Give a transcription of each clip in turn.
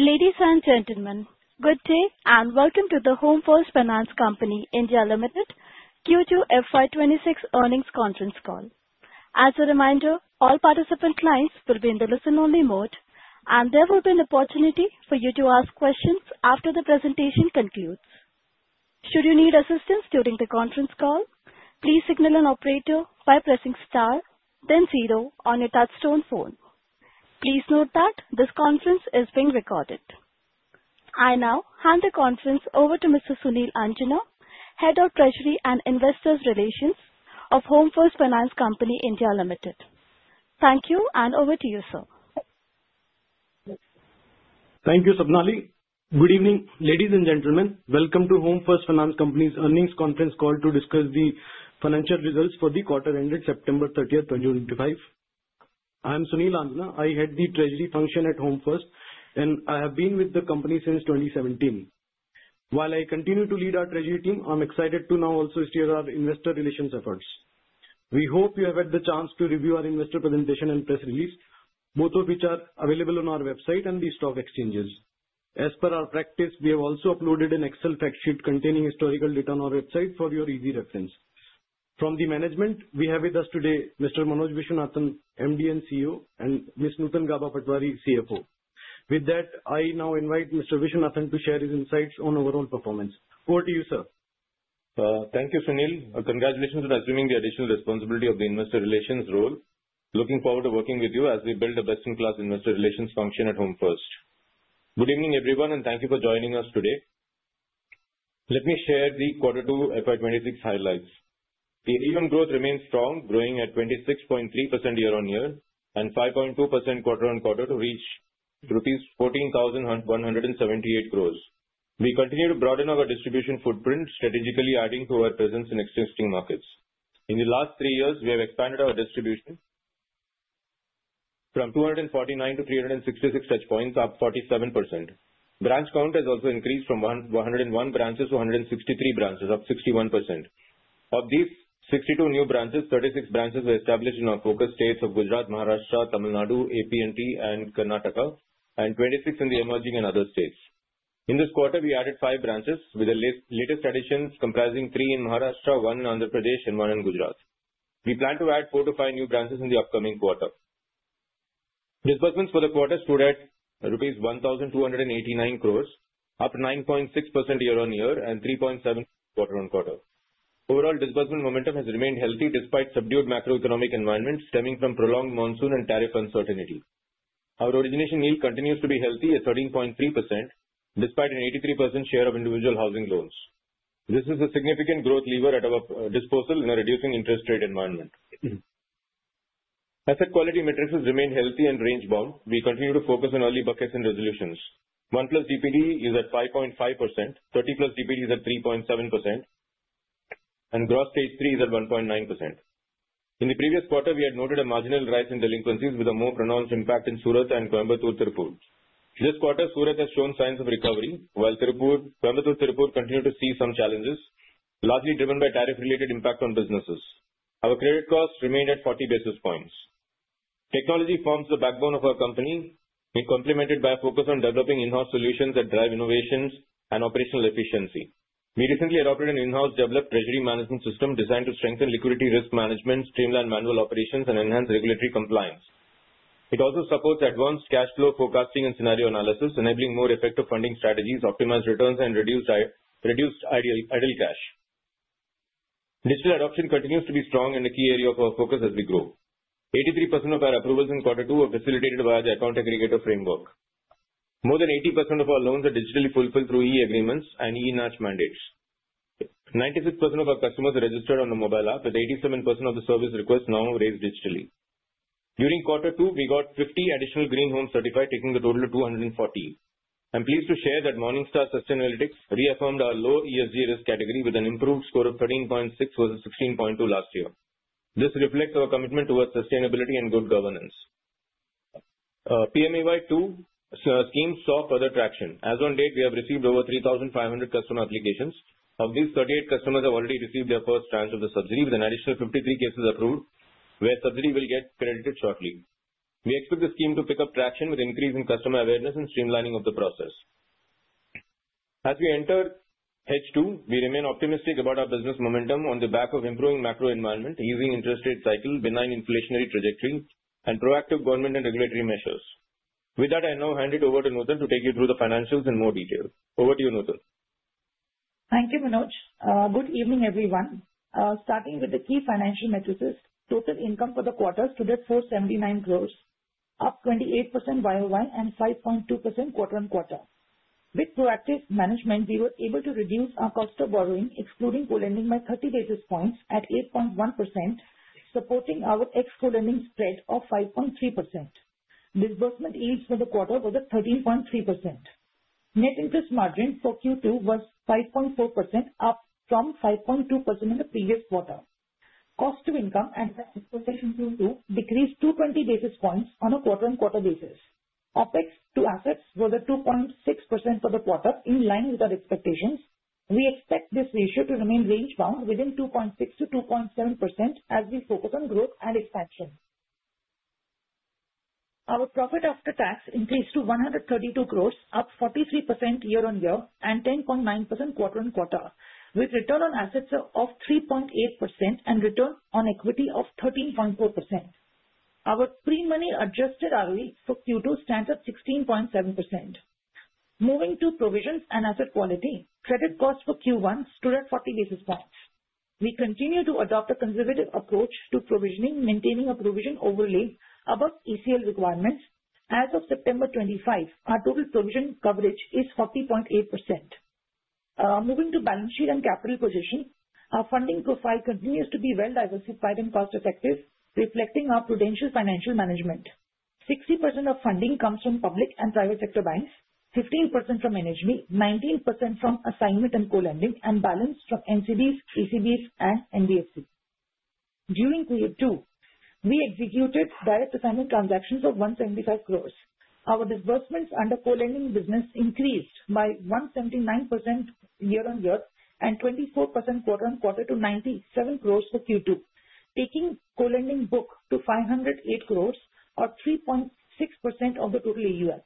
Ladies and gentlemen, good day and welcome to the Home First Finance Company India Limited Q2 FY26 earnings conference call. As a reminder, all participant clients will be in the listen-only mode, and there will be an opportunity for you to ask questions after the presentation concludes. Should you need assistance during the conference call, please signal an operator by pressing star, then zero on your touch-tone phone. Please note that this conference is being recorded. I now hand the conference over to Mr. Sunil Anjana, Head of Treasury and Investor Relations of Home First Finance Company India Limited. Thank you, and over to you, sir. Thank you, Subnali. Good evening, ladies and gentlemen. Welcome to Home First Finance Company's earnings conference call to discuss the financial results for the quarter ended September 30th, 2025. I am Sunil Anjana. I head the treasury function at Home First, and I have been with the company since 2017. While I continue to lead our treasury team, I'm excited to now also steer our investor relations efforts. We hope you have had the chance to review our investor presentation and press release, both of which are available on our website and the stock exchanges. As per our practice, we have also uploaded an Excel factsheet containing historical data on our website for your easy reference. From the management, we have with us today Mr. Manoj Viswanathan, MD and CEO, and Ms. Nutan Gaba Patwari, CFO. With that, I now invite Mr. Viswanathan to share his insights on overall performance. Over to you, sir. Thank you, Sunil. Congratulations on assuming the additional responsibility of the investor relations role. Looking forward to working with you as we build a best-in-class investor relations function at Home First. Good evening, everyone, and thank you for joining us today. Let me share the quarter two FY26 highlights. The AUM growth remains strong, growing at 26.3% year-on-year and 5.2% quarter-on-quarter to reach rupees 14,178 gross. We continue to broaden our distribution footprint, strategically adding to our presence in existing markets. In the last three years, we have expanded our distribution from 249 touch points to 366 touch points, up 47%. Branch count has also increased from 101 branches to 163 branches, up 61%. Of these 62 new branches, 36 branches were established in our focus states of Gujarat, Maharashtra, Tamil Nadu, APNT, and Karnataka, and 26 in the emerging and other states. In this quarter, we added five branches, with the latest additions comprising three in Maharashtra, one in Andhra Pradesh, and one in Gujarat. We plan to add four to five new branches in the upcoming quarter. Disbursements for the quarter stood at INR 1,289 gross, up 9.6% year-on-year and 3.7% quarter-on-quarter. Overall, disbursement momentum has remained healthy despite subdued macroeconomic environment stemming from prolonged monsoon and tariff uncertainty. Our origination yield continues to be healthy at 13.3% despite an 83% share of individual housing loans. This is a significant growth lever at our disposal in a reducing interest rate environment. Asset quality metrics have remained healthy and range-bound. We continue to focus on early buckets and resolutions. One-plus DPD is at 5.5%, 30-plus DPD is at 3.7%, and gross stage three is at 1.9%. In the previous quarter, we had noted a marginal rise in delinquencies, with a more pronounced impact in Surat and Coimbatore Tiruppur. This quarter, Surat has shown signs of recovery, while Coimbatore Tiruppur continued to see some challenges, largely driven by tariff-related impact on businesses. Our credit costs remained at 40 basis points. Technology forms the backbone of our company. We complement it by a focus on developing in-house solutions that drive innovations and operational efficiency. We recently adopted an in-house developed treasury management system designed to strengthen liquidity risk management, streamline manual operations, and enhance regulatory compliance. It also supports advanced cash flow forecasting and scenario analysis, enabling more effective funding strategies, optimized returns, and reduced idle cash. Digital adoption continues to be strong and a key area of our focus as we grow. 83% of our approvals in quarter two were facilitated via the account aggregator framework. More than 80% of our loans are digitally fulfilled through e-agreements and e-NACH mandates. 96% of our customers registered on the mobile app, with 87% of the service requests now raised digitally. During quarter two, we got 50 additional green homes certified, taking the total to 240. I'm pleased to share that Morningstar Sustainalytics reaffirmed our low ESG risk category with an improved score of 13.6 versus 16.2 last year. This reflects our commitment towards sustainability and good governance. PMAY-2 scheme saw further traction. As of date, we have received over 3,500 customer applications. Of these, 38 customers have already received their first tranche of the subsidy, with an additional 53 cases approved, where subsidy will get credited shortly. We expect the scheme to pick up traction with increase in customer awareness and streamlining of the process. As we enter H-2, we remain optimistic about our business momentum on the back of improving macro environment, easing interest rate cycle, benign inflationary trajectory, and proactive government and regulatory measures. With that, I now hand it over to Nutan to take you through the financials in more detail. Over to you, Nutan. Thank you, Manoj. Good evening, everyone. Starting with the key financial metrics, total income for the quarter stood at 479 crores, up 28% year-on-year and 5.2% quarter-on-quarter. With proactive management, we were able to reduce our cost of borrowing, excluding co-lending, by 30 basis points at 8.1%, supporting our excluding co-lending spread of 5.3%. Disbursement yields for the quarter were at 13.3%. Net interest margin for Q2 was 5.4%, up from 5.2% in the previous quarter. Cost-to-income and OpEx Q2 decreased 220 basis points on a quarter-on-quarter basis. OpEx to assets were at 2.6% for the quarter, in line with our expectations. We expect this ratio to remain range-bound within 2.6% to 2.7% as we focus on growth and expansion. Our profit after tax increased to 132 crores, up 43% year-on-year and 10.9% quarter-on-quarter, with return on assets of 3.8% and return on equity of 13.4%. Our pre-money adjusted ROE for Q2 stands at 16.7%. Moving to provisions and asset quality, credit cost for Q1 stood at 40 basis points. We continue to adopt a conservative approach to provisioning, maintaining a provision overlay above ECL requirements. As of September 25, our total provision coverage is 40.8%. Moving to balance sheet and capital position, our funding profile continues to be well-diversified and cost-effective, reflecting our prudential financial management. 60% of funding comes from public and private sector banks, 15% from NHB, 19% from assignment and co-lending, and balance from NCDs, ECBs, and NCDs. During Q2, we executed direct assignment transactions of 175 crores. Our disbursements under co-lending business increased by 179% year-on-year and 24% quarter-on-quarter to 97 crores for Q2, taking co-lending book to 508 crores, or 3.6% of the total AUM.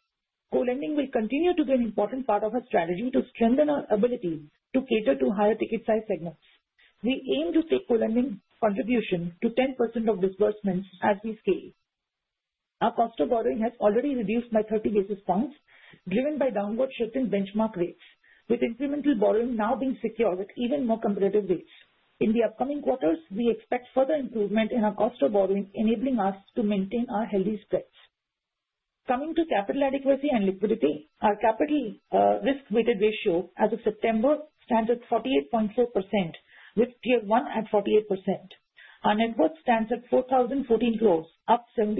Co-lending will continue to be an important part of our strategy to strengthen our ability to cater to higher ticket size segments. We aim to take co-lending contribution to 10% of disbursements as we scale. Our cost of borrowing has already reduced by 30 basis points, driven by downward shift in benchmark rates, with incremental borrowing now being secured at even more competitive rates. In the upcoming quarters, we expect further improvement in our cost of borrowing, enabling us to maintain our healthy spreads. Coming to capital adequacy and liquidity, our Capital Risk-Weighted Ratio as of September stands at 48.4%, with Tier 1 at 48%. Our net worth stands at 4,014 crores, up 75%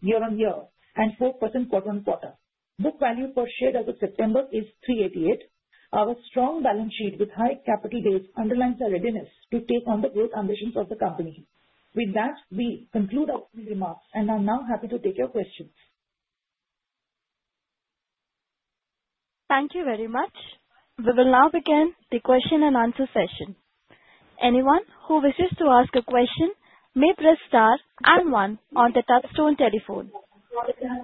year-on-year and 4% quarter-on-quarter. Book value per share as of September is 388. Our strong balance sheet with high capital adequacy underlines our readiness to take on the growth ambitions of the company. With that, we conclude our remarks and are now happy to take your questions. Thank you very much. We will now begin the question and answer session. Anyone who wishes to ask a question may press star and one on the touch-tone telephone.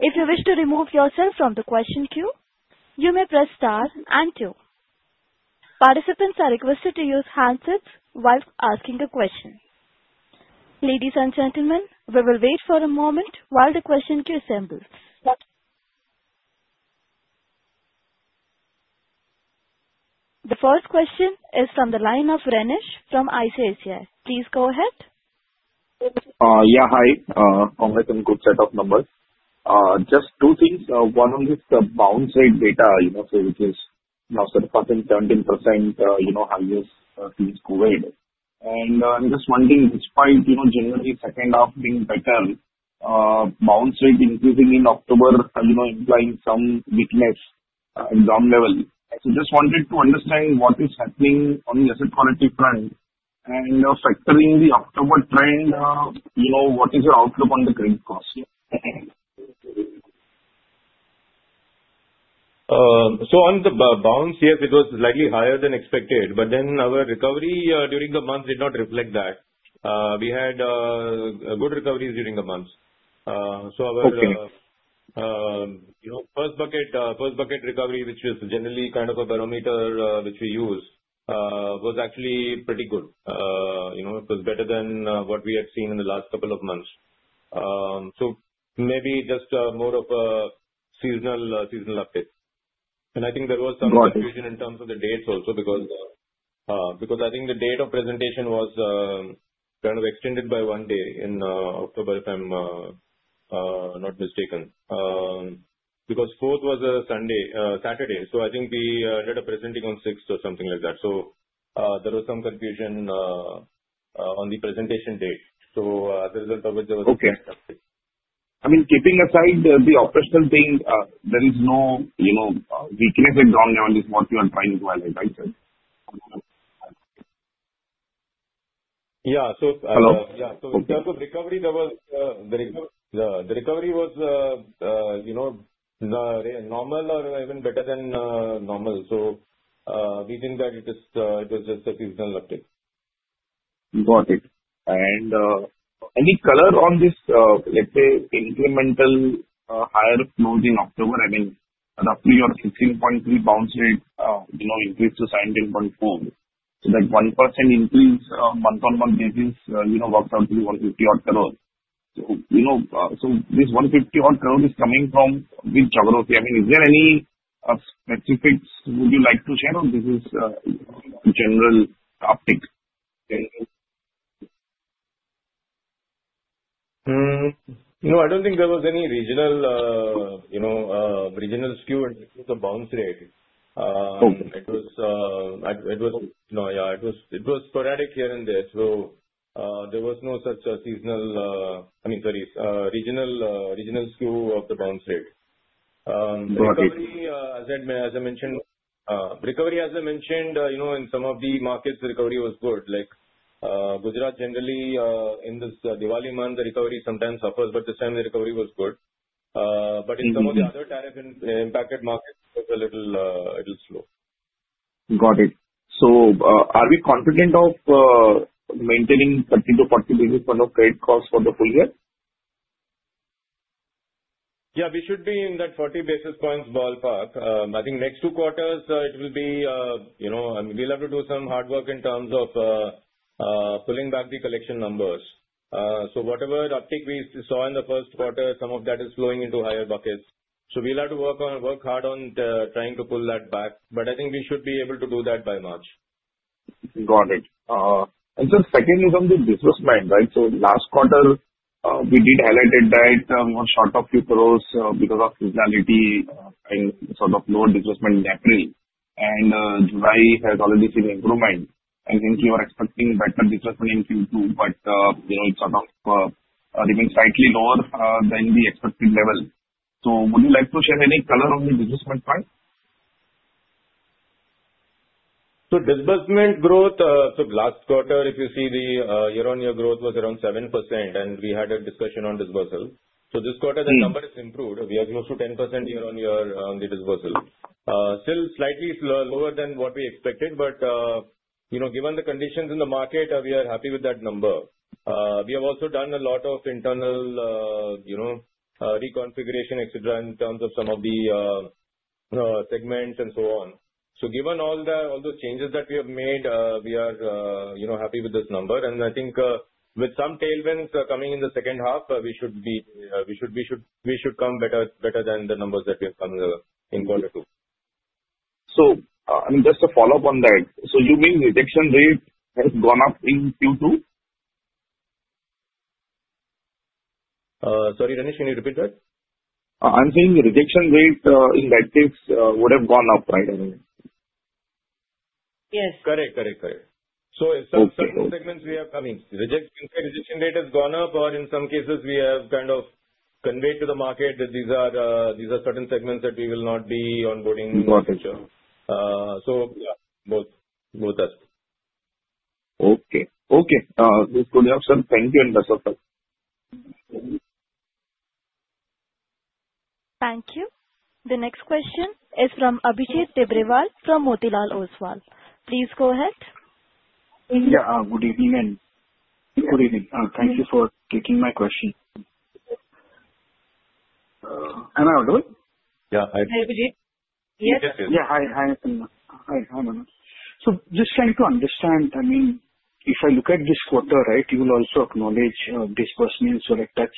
If you wish to remove yourself from the question queue, you may press star and two. Participants are requested to use handsets while asking a question. Ladies and gentlemen, we will wait for a moment while the question queue assembles. The first question is from the line of Renish from ICICI. Please go ahead. Yeah, hi. Congratulations on a good set of numbers. Just two things. One, the bounce rate data, which is now surpassing 17%, highest since COVID. And I'm just wondering, despite generally second half being better, bounce rate increasing in October implying some weakness at the AUM level. I just wanted to understand what is happening on the asset quality front and, factoring the October trend, what is your outlook on the credit cost? So, on the bounce year, it was slightly higher than expected, but then our recovery during the month did not reflect that. We had good recoveries during the month. So, our first bucket recovery, which is generally kind of a barometer which we use, was actually pretty good. It was better than what we had seen in the last couple of months. So, maybe just more of a seasonal update. And I think there was some confusion in terms of the dates also because I think the date of presentation was kind of extended by one day in October, if I'm not mistaken, because fourth was a Saturday. So, I think we ended up presenting on sixth or something like that. So, there was some confusion on the presentation date. So, as a result of it, there was some update. I mean, keeping aside the operational thing, there is no weakness in downline is what you are trying to highlight, right? Yeah. So in terms of recovery, the recovery was normal or even better than normal. So we think that it was just a seasonal update. Got it. And any color on this, let's say, incremental higher close in October? I mean, roughly your 16.3 bounce rate increased to 17.4 bounce rate. So that 1% increase month-on-month basis works out to be 150-odd crores. So this 150-odd crores is coming from which segment? I mean, is there any specifics would you like to share, or this is general uptake? No, I don't think there was any regional skew in terms of bounce rate. It was sporadic here and there. So there was no such seasonal, I mean, sorry, regional skew of the bounce rate. Recovery, as I mentioned, recovery, as I mentioned, in some of the markets, the recovery was good. Like Gujarat, generally in this Diwali month, the recovery sometimes suffers, but this time the recovery was good. But in some of the other tariff-impacted markets, it was a little slow. Got it. So are we confident of maintaining 30 basis points-40 basis points of credit cost for the full year? Yeah, we should be in that 40 basis points ballpark. I think next two quarters, it will be. I mean, we'll have to do some hard work in terms of pulling back the collection numbers. So whatever uptake we saw in the first quarter, some of that is flowing into higher buckets. So we'll have to work hard on trying to pull that back. But I think we should be able to do that by March. Got it. And just secondly from the disbursement, right? So last quarter, we did highlight that we were short of few crores because of seasonality and sort of lower disbursement in April. And July has already seen improvement. I think you are expecting better disbursement in Q2, but it sort of remains slightly lower than the expected level. So would you like to share any color on the disbursement point? Disbursement growth. Last quarter, if you see, the year-on-year growth was around 7%, and we had a discussion on disbursement. This quarter, the number has improved. We are close to 10% year-on-year on the disbursement. Still slightly lower than what we expected, but given the conditions in the market, we are happy with that number. We have also done a lot of internal reconfiguration, etc., in terms of some of the segments and so on. Given all those changes that we have made, we are happy with this number. And I think with some tailwinds coming in the second half, we should come better than the numbers that we have come in quarter two. So I mean, just to follow up on that, so you mean rejection rate has gone up in Q2? Sorry, Renish, can you repeat that? I'm saying the rejection rate in that case would have gone up, right? Yes. Correct, correct, correct. So certain segments we have I mean, you can say rejection rate has gone up, or in some cases, we have kind of conveyed to the market that these are certain segments that we will not be onboarding in the future. So yeah, both aspects. Okay. Mr. Viswan, thank you and best of luck. Thank you. The next question is from Abhijit Tibrewal from Motilal Oswal. Please go ahead. Yeah, good evening. Good evening. Thank you for taking my question. Am I audible? Yeah. Hi, Abhijit. Yes. Yes, yes. Yeah, hi. Hi, Manoj. So just trying to understand, I mean, if I look at this quarter, right, you will also acknowledge disbursements were a touch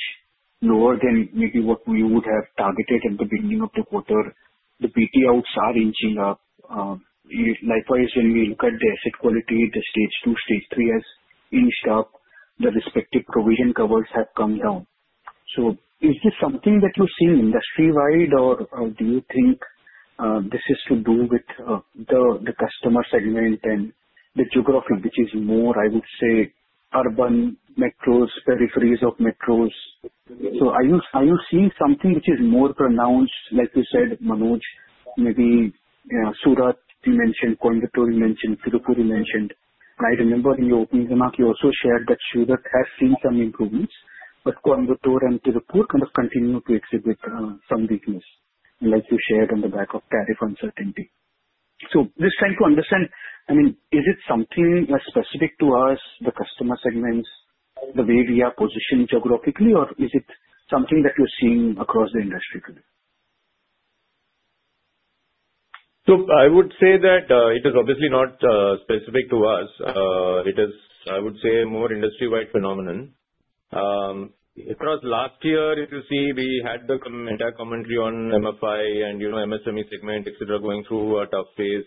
lower than maybe what we would have targeted at the beginning of the quarter. The BT outs are inching up. Likewise, when we look at the asset quality, the stage two, stage three has inched up. The respective provision covers have come down. So is this something that you're seeing industry-wide, or do you think this is to do with the customer segment and the geography, which is more, I would say, urban, metros, peripheries of metros? So are you seeing something which is more pronounced, like you said, Manoj, maybe Surat, you mentioned, Coimbatore you, Tiruppur mentioned. I remember in your opening remark, you also shared that Surat has seen some improvements, but Coimbatore and Tiruppur kind of continue to exhibit some weakness, like you shared on the back of tariff uncertainty. So just trying to understand, I mean, is it something specific to us, the customer segments, the way we are positioned geographically, or is it something that you're seeing across the industry? So I would say that it is obviously not specific to us. It is, I would say, more industry-wide phenomenon. Across last year, if you see, we had the entire commentary on MFI and MSME segment, etc., going through a tough phase.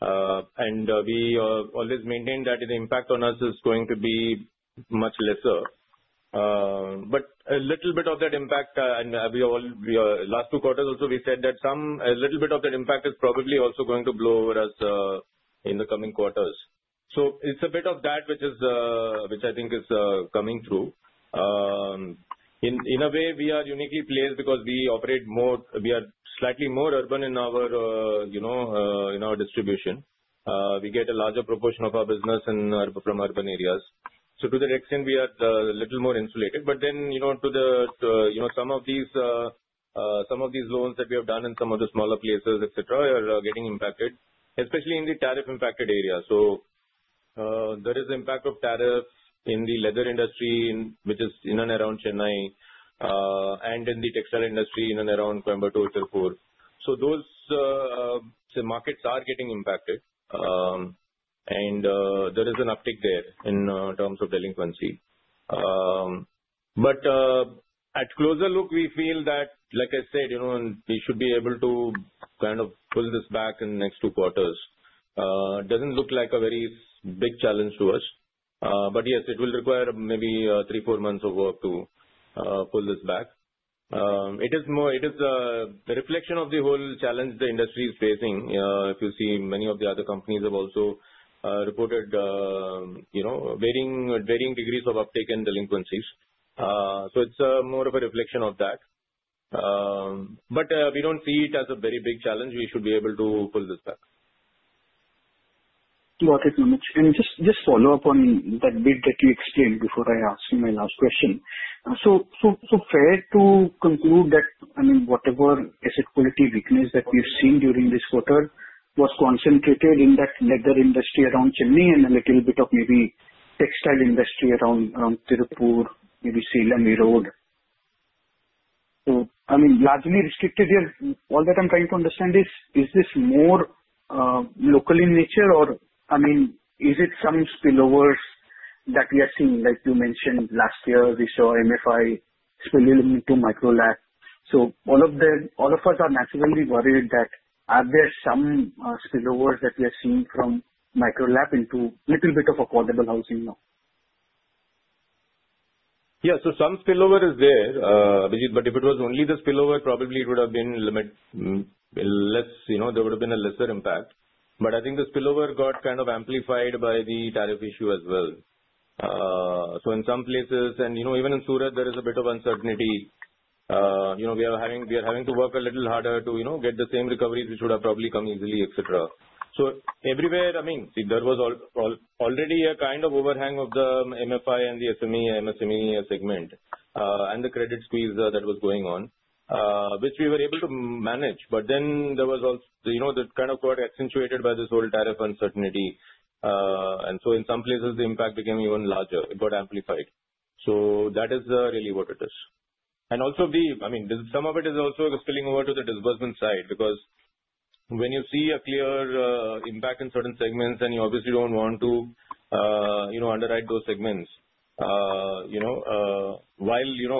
And we always maintain that the impact on us is going to be much lesser. But a little bit of that impact, and last two quarters also, we said that a little bit of that impact is probably also going to blow over us in the coming quarters. So it's a bit of that which I think is coming through. In a way, we are uniquely placed because we operate more, we are slightly more urban in our distribution. We get a larger proportion of our business from urban areas. So to that extent, we are a little more insulated. But then to some of these loans that we have done in some of the smaller places, etc., are getting impacted, especially in the tariff-impacted area, so there is the impact of tariffs in the leather industry, which is in and around Chennai, and in the textile industry in and around Coimbatore and Tiruppur. So those markets are getting impacted, and there is an uptick there in terms of delinquency, but at closer look, we feel that, like I said, we should be able to kind of pull this back in the next two quarters. It doesn't look like a very big challenge to us. But yes, it will require maybe three, four months of work to pull this back. It is a reflection of the whole challenge the industry is facing. If you see, many of the other companies have also reported varying degrees of uptick and delinquencies. So it's more of a reflection of that. But we don't see it as a very big challenge. We should be able to pull this back. Got it, Manoj. And just follow up on that bit that you explained before I asked you my last question. So fair to conclude that, I mean, whatever asset quality weakness that we've seen during this quarter was concentrated in that leather industry around Chennai and a little bit of maybe textile industry around Tiruppur, maybe Selauni Road. So I mean, largely restricted here. All that I'm trying to understand is, is this more local in nature, or I mean, is it some spillovers that we are seeing? Like you mentioned, last year, we saw MFI spill into Micro LAP. So all of us are naturally worried that are there some spillovers that we are seeing from Micro LAP into a little bit of affordable housing now? Yeah. So some spillover is there, Abhijit. But if it was only the spillover, probably it would have been less. There would have been a lesser impact. But I think the spillover got kind of amplified by the tariff issue as well. So in some places, and even in Surat, there is a bit of uncertainty. We are having to work a little harder to get the same recoveries which would have probably come easily, etc. So everywhere, I mean, there was already a kind of overhang of the MFI and the SME, MSME segment, and the credit squeeze that was going on, which we were able to manage. But then there was also the kind of got accentuated by this whole tariff uncertainty. And so in some places, the impact became even larger. It got amplified. So that is really what it is. And also, I mean, some of it is also spilling over to the disbursement side because when you see a clear impact in certain segments, then you obviously don't want to underwrite those segments. While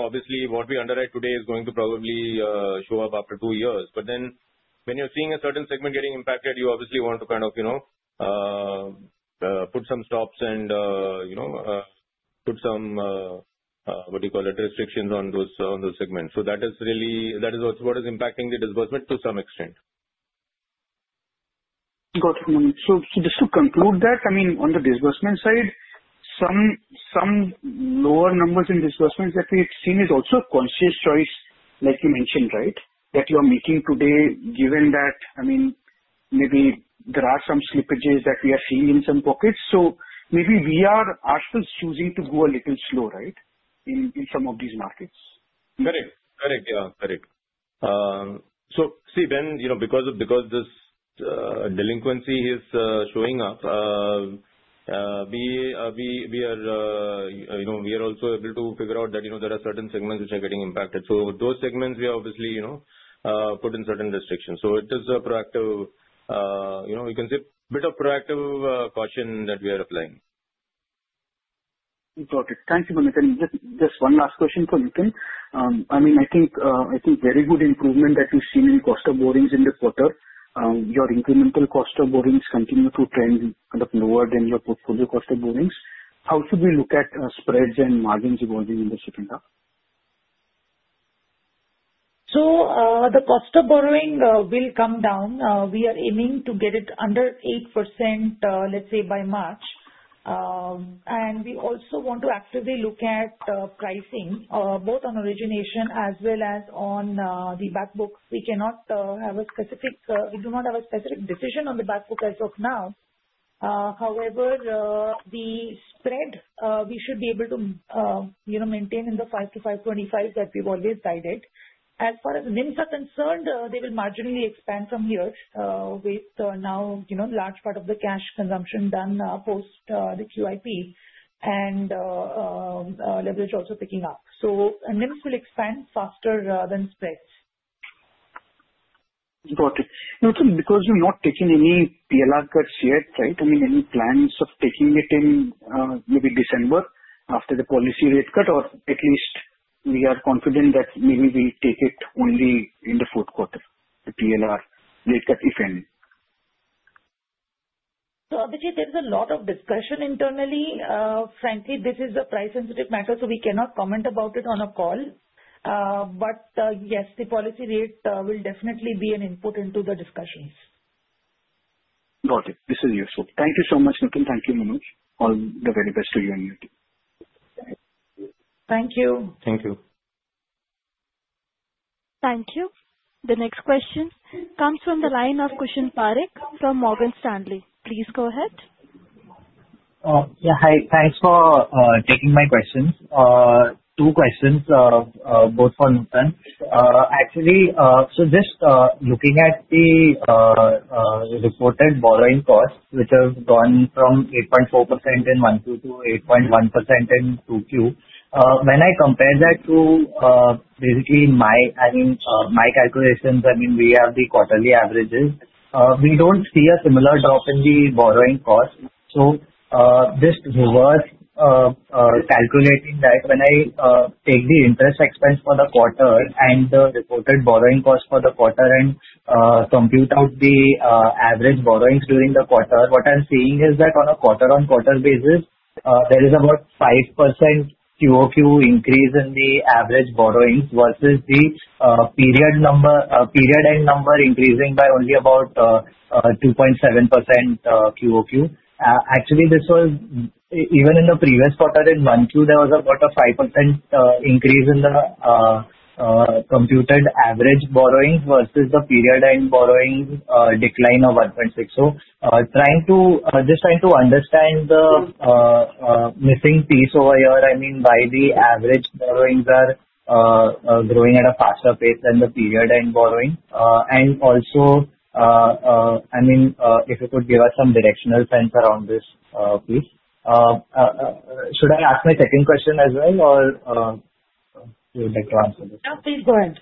obviously what we underwrite today is going to probably show up after two years. But then when you're seeing a certain segment getting impacted, you obviously want to kind of put some stops and put some, what do you call it, restrictions on those segments. So that is really what is impacting the disbursement to some extent. Got it, Manoj. So just to conclude that, I mean, on the disbursement side, some lower numbers in disbursements that we've seen is also a conscious choice, like you mentioned, right, that you are making today, given that, I mean, maybe there are some slippages that we are seeing in some pockets. So maybe we are also choosing to go a little slow, right, in some of these markets? Correct. Correct. Yeah. Correct. So see, Ben, because this delinquency is showing up, we are also able to figure out that there are certain segments which are getting impacted. So those segments, we are obviously putting certain restrictions. So it is a proactive you can say a bit of proactive caution that we are applying. Got it. Thank you, Manoj. And just one last question for you, Pat. I mean, I think very good improvement that you've seen in cost of borrowings in the quarter. Your incremental cost of borrowings continue to trend kind of lower than your portfolio cost of borrowings. How should we look at spreads and margins evolving in the second half? The cost of borrowing will come down. We are aiming to get it under 8%, let's say, by March. We also want to actively look at pricing, both on origination as well as on the backbook. We do not have a specific decision on the backbook as of now. However, the spread, we should be able to maintain in the 5%-5.25% that we've always guided. As far as NIMs are concerned, they will marginally expand from here with now a large part of the cash consumption done post the QIP and leverage also picking up. NIMs will expand faster than spreads. Got it. And because we're not taking any PLR cuts yet, right? I mean, any plans of taking it in maybe December after the policy rate cut, or at least we are confident that maybe we take it only in the fourth quarter, the PLR rate cut, if any? Abhijit, there's a lot of discussion internally. Frankly, this is a price-sensitive matter, so we cannot comment about it on a call. But yes, the policy rate will definitely be an input into the discussions. Got it. This is useful. Thank you so much, Nutan. Thank you, Manoj. All the very best to you and you. Thank you. Thank you. Thank you. The next question comes from the line of Kushan Parikh from Morgan Stanley.Please go ahead. Yeah. Hi. Thanks for taking my questions. Two questions, both for Nutan. Actually, so just looking at the reported borrowing cost, which has gone from 8.4% in 1Q to 8.1% in 2Q. When I compare that to basically my calculations, I mean, we have the quarterly averages, we don't see a similar drop in the borrowing cost, so just reverse calculating that, when I take the interest expense for the quarter and the reported borrowing cost for the quarter and compute out the average borrowings during the quarter, what I'm seeing is that on a quarter-on-quarter basis, there is about 5% QOQ increase in the average borrowings versus the period-end number increasing by only about 2.7% QOQ. Actually, this was even in the previous quarter, in 1Q, there was about a 5% increase in the computed average borrowings versus the period-end borrowing decline of 1.6%. So, just trying to understand the missing piece over here. I mean, why the average borrowings are growing at a faster pace than the period-end borrowing. And also, I mean, if you could give us some directional sense around this piece. Should I ask my second question as well, or you would like to answer this? Yeah, please go ahead.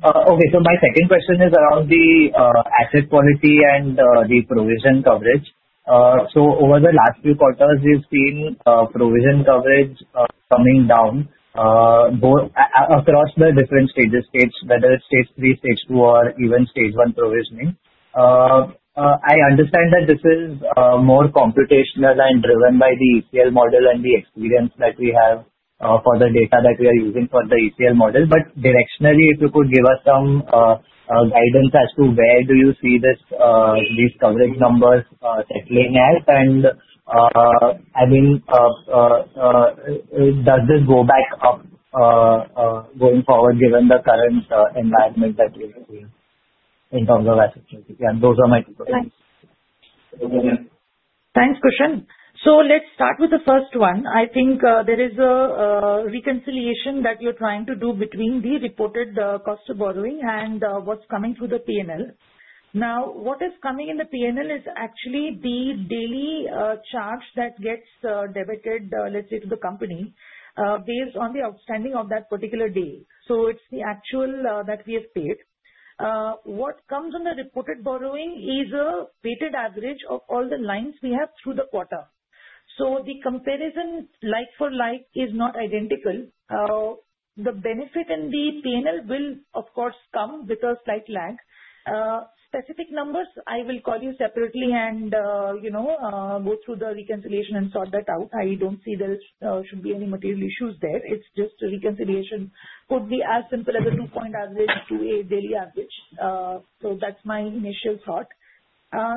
Okay. So my second question is around the asset quality and the provision coverage. So over the last few quarters, we've seen provision coverage coming down across the different stages, whether it's stage three, stage two, or even stage one provisioning. I understand that this is more computational and driven by the ECL model and the experience that we have for the data that we are using for the ECL model. But directionally, if you could give us some guidance as to where do you see these coverage numbers settling at, and I mean, does this go back up going forward given the current environment that we're seeing in terms of asset quality? And those are my two questions. Thanks, Kushan. So let's start with the first one. I think there is a reconciliation that you're trying to do between the reported cost of borrowing and what's coming through the P&L. Now, what is coming in the P&L is actually the daily charge that gets debited, let's say, to the company based on the outstanding of that particular day. So it's the actual that we have paid. What comes on the reported borrowing is a weighted average of all the lines we have through the quarter. So the comparison like-for-like is not identical. The benefit in the P&L will, of course, come with a slight lag. Specific numbers, I will call you separately and go through the reconciliation and sort that out. I don't see there should be any material issues there. It's just a reconciliation could be as simple as a two-point average to a daily average. That's my initial thought.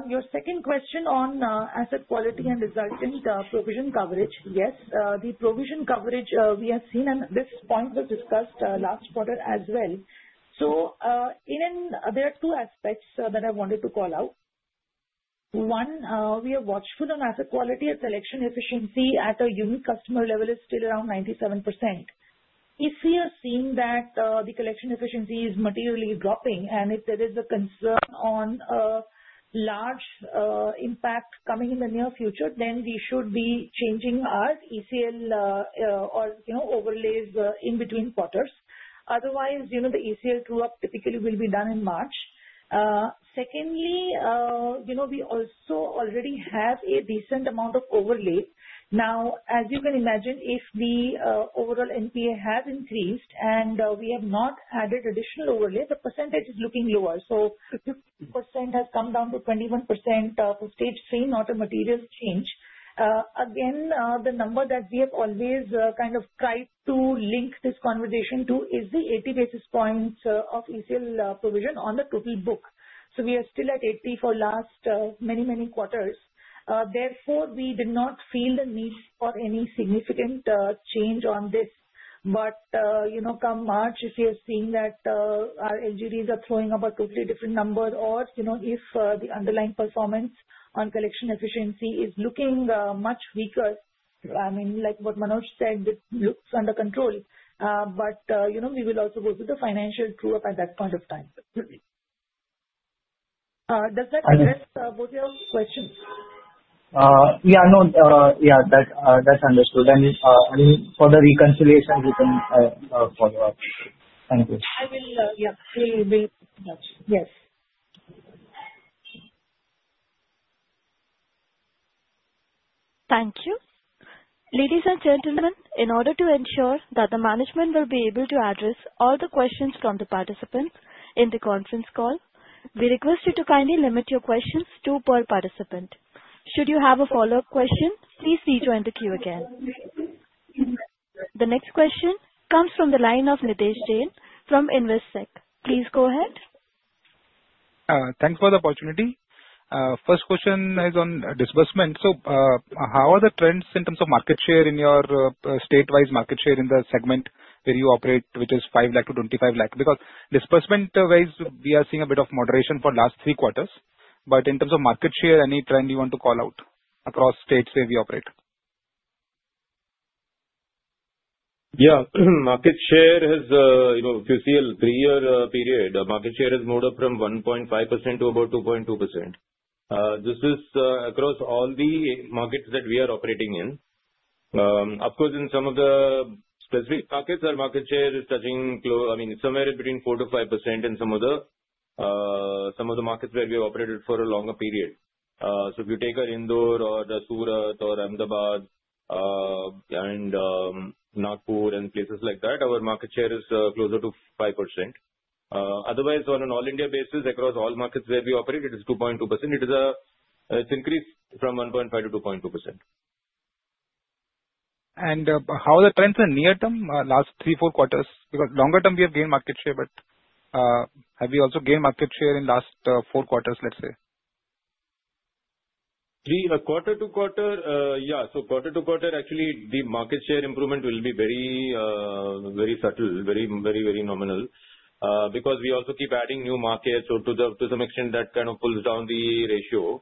Your second question on asset quality and resultant provision coverage, yes, the provision coverage we have seen, and this point was discussed last quarter as well. So there are two aspects that I wanted to call out. One, we are watchful on asset quality and selection efficiency at a unit customer level is still around 97%. If we are seeing that the collection efficiency is materially dropping and if there is a concern on a large impact coming in the near future, then we should be changing our ECL or overlays in between quarters. Otherwise, the ECL true-up typically will be done in March. Secondly, we also already have a decent amount of overlay. Now, as you can imagine, if the overall NPA has increased and we have not added additional overlay, the percentage is looking lower. So 50% has come down to 21% for stage three, not a material change. Again, the number that we have always kind of tried to link this conversation to is the 80 basis points of ECL provision on the total book. So we are still at 80 basis points for last many, many quarters. Therefore, we did not feel the need for any significant change on this. But come March, if we are seeing that our LGDs are throwing up a totally different number, or if the underlying performance on collection efficiency is looking much weaker, I mean, like what Manoj said, it looks under control. But we will also go through the financial true-up at that point of time. Does that address both your questions? Yeah. No. Yeah. That's understood, and for the reconciliation, we can follow up. Thank you. I will, yeah, we will do that. Yes. Thank you. Ladies and gentlemen, in order to ensure that the management will be able to address all the questions from the participants in the conference call, we request you to kindly limit your questions to per participant. Should you have a follow-up question, please return the queue again. The next question comes from the line of Nitesh Jain from Investec. Please go ahead. Thanks for the opportunity. First question is on disbursement. So how are the trends in terms of market share in your statewide market share in the segment where you operate, which is 5 lakh-25 lakh? Because disbursement-wise, we are seeing a bit of moderation for last three quarters. But in terms of market share, any trend you want to call out across states where we operate? Yeah. Market share has, if you see a three-year period, market share has moved up from 1.5% to about 2.2%. This is across all the markets that we are operating in. Of course, in some of the specific markets, our market share is touching, I mean, somewhere between 4%-5% in some of the markets where we operated for a longer period. So if you take our Indore or Surat or Ahmedabad and Nagpur and places like that, our market share is closer to 5%. Otherwise, on an all-India basis, across all markets where we operate, it is 2.2%. It's increased from 1.5% to 2.2%. How are the trends in near-term, last three, four quarters? Because longer-term, we have gained market share, but have we also gained market share in last four quarters, let's say? See, quarter to quarter, yeah. So quarter to quarter, actually, the market share improvement will be very subtle, very nominal, because we also keep adding new markets. So to some extent, that kind of pulls down the ratio.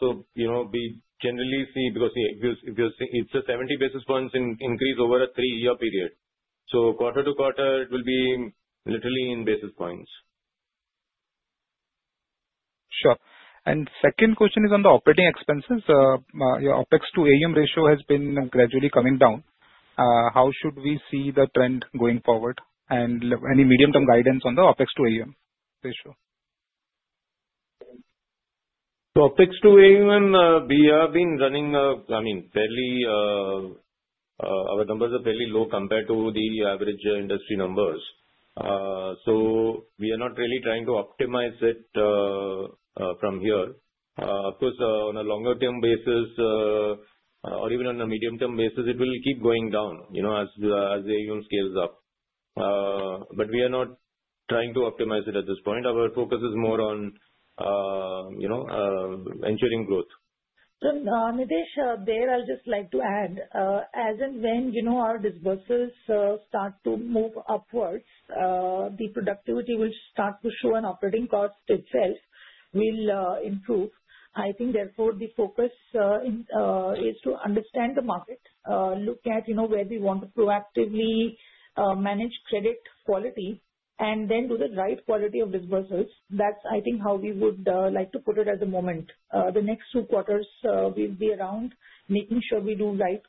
So we generally see, because if you're seeing, it's a 70 basis points increase over a three-year period. So quarter to quarter, it will be literally in basis points. Sure. And second question is on the operating expenses. Your OpEx to AUM ratio has been gradually coming down. How should we see the trend going forward? And any medium-term guidance on the OpEx to AUM ratio? So, OpEx to AUM, we have been running. I mean, fairly, our numbers are fairly low compared to the average industry numbers. So, we are not really trying to optimize it from here. Of course, on a longer-term basis, or even on a medium-term basis, it will keep going down as the AUM scales up. But we are not trying to optimize it at this point. Our focus is more on ensuring growth. Nitesh, there, I'll just like to add. As and when our disbursements start to move upwards, the productivity will start to show, and operating cost itself will improve. I think, therefore, the focus is to understand the market, look at where we want to proactively manage credit quality, and then do the right quality of disbursements. That's, I think, how we would like to put it at the moment. The next two quarters, we'll be around making sure we do right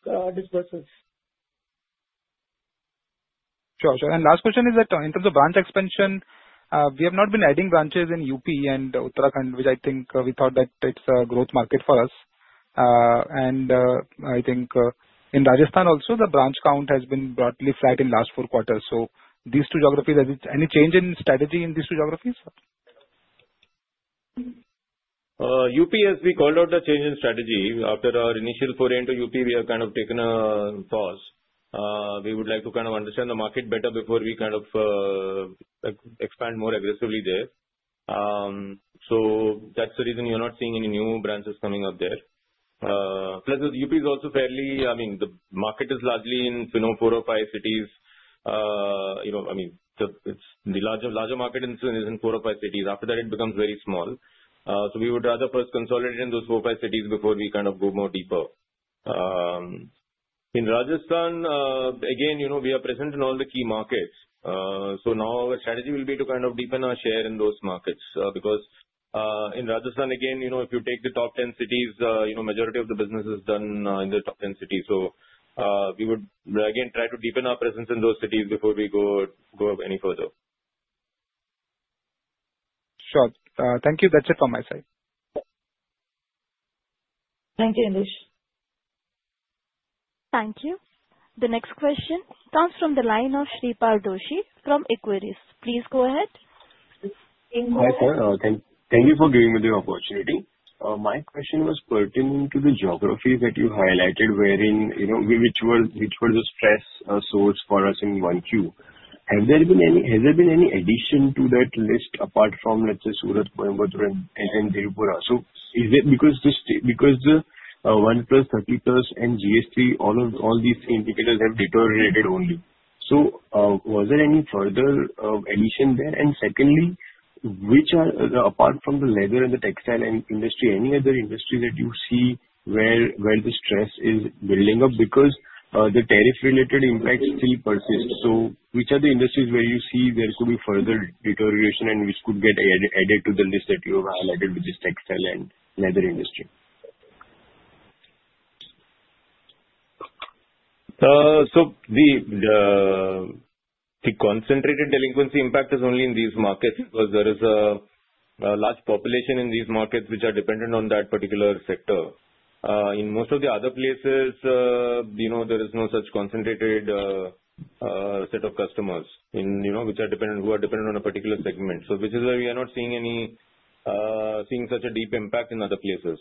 disbursements. Sure. And last question is that in terms of branch expansion, we have not been adding branches in UP and Uttarakhand, which I think we thought that it's a growth market for us. And I think in Rajasthan also, the branch count has been broadly flat in last four quarters. So these two geographies, any change in strategy in these two geographies? UP, as we called out the change in strategy, after our initial foray into UP, we have kind of taken a pause. We would like to kind of understand the market better before we kind of expand more aggressively there. So that's the reason you're not seeing any new branches coming up there. Plus, UP is also fairly, I mean, the market is largely in four or five cities. I mean, the larger market is in four or five cities. After that, it becomes very small. So we would rather first consolidate in those four or five cities before we kind of go more deeper. In Rajasthan, again, we are present in all the key markets. So now our strategy will be to kind of deepen our share in those markets. Because in Rajasthan, again, if you take the top 10 cities, majority of the business is done in the top 10 cities. So we would, again, try to deepen our presence in those cities before we go any further. Sure. Thank you. That's it from my side. Thank you, Nitesh. Thank you. The next question comes from the line of Shreepal Doshi from Equirus. Please go ahead. Hi sir. Thank you for giving me the opportunity. My question was pertinent to the geographies that you highlighted, which were the stress source for us in 1Q. Has there been any addition to that list apart from, let's say, Surat, Coimbatore, and Tiruppur? So is it because the 1+, 30 plus, and GST, all these indicators have deteriorated only? So was there any further addition there? And secondly, apart from the leather and the textile industry, any other industry that you see where the stress is building up? Because the tariff-related impact still persists. So which are the industries where you see there could be further deterioration and which could get added to the list that you have highlighted with this textile and leather industry? So the concentrated delinquency impact is only in these markets because there is a large population in these markets which are dependent on that particular sector. In most of the other places, there is no such concentrated set of customers who are dependent on a particular segment, which is why we are not seeing such a deep impact in other places.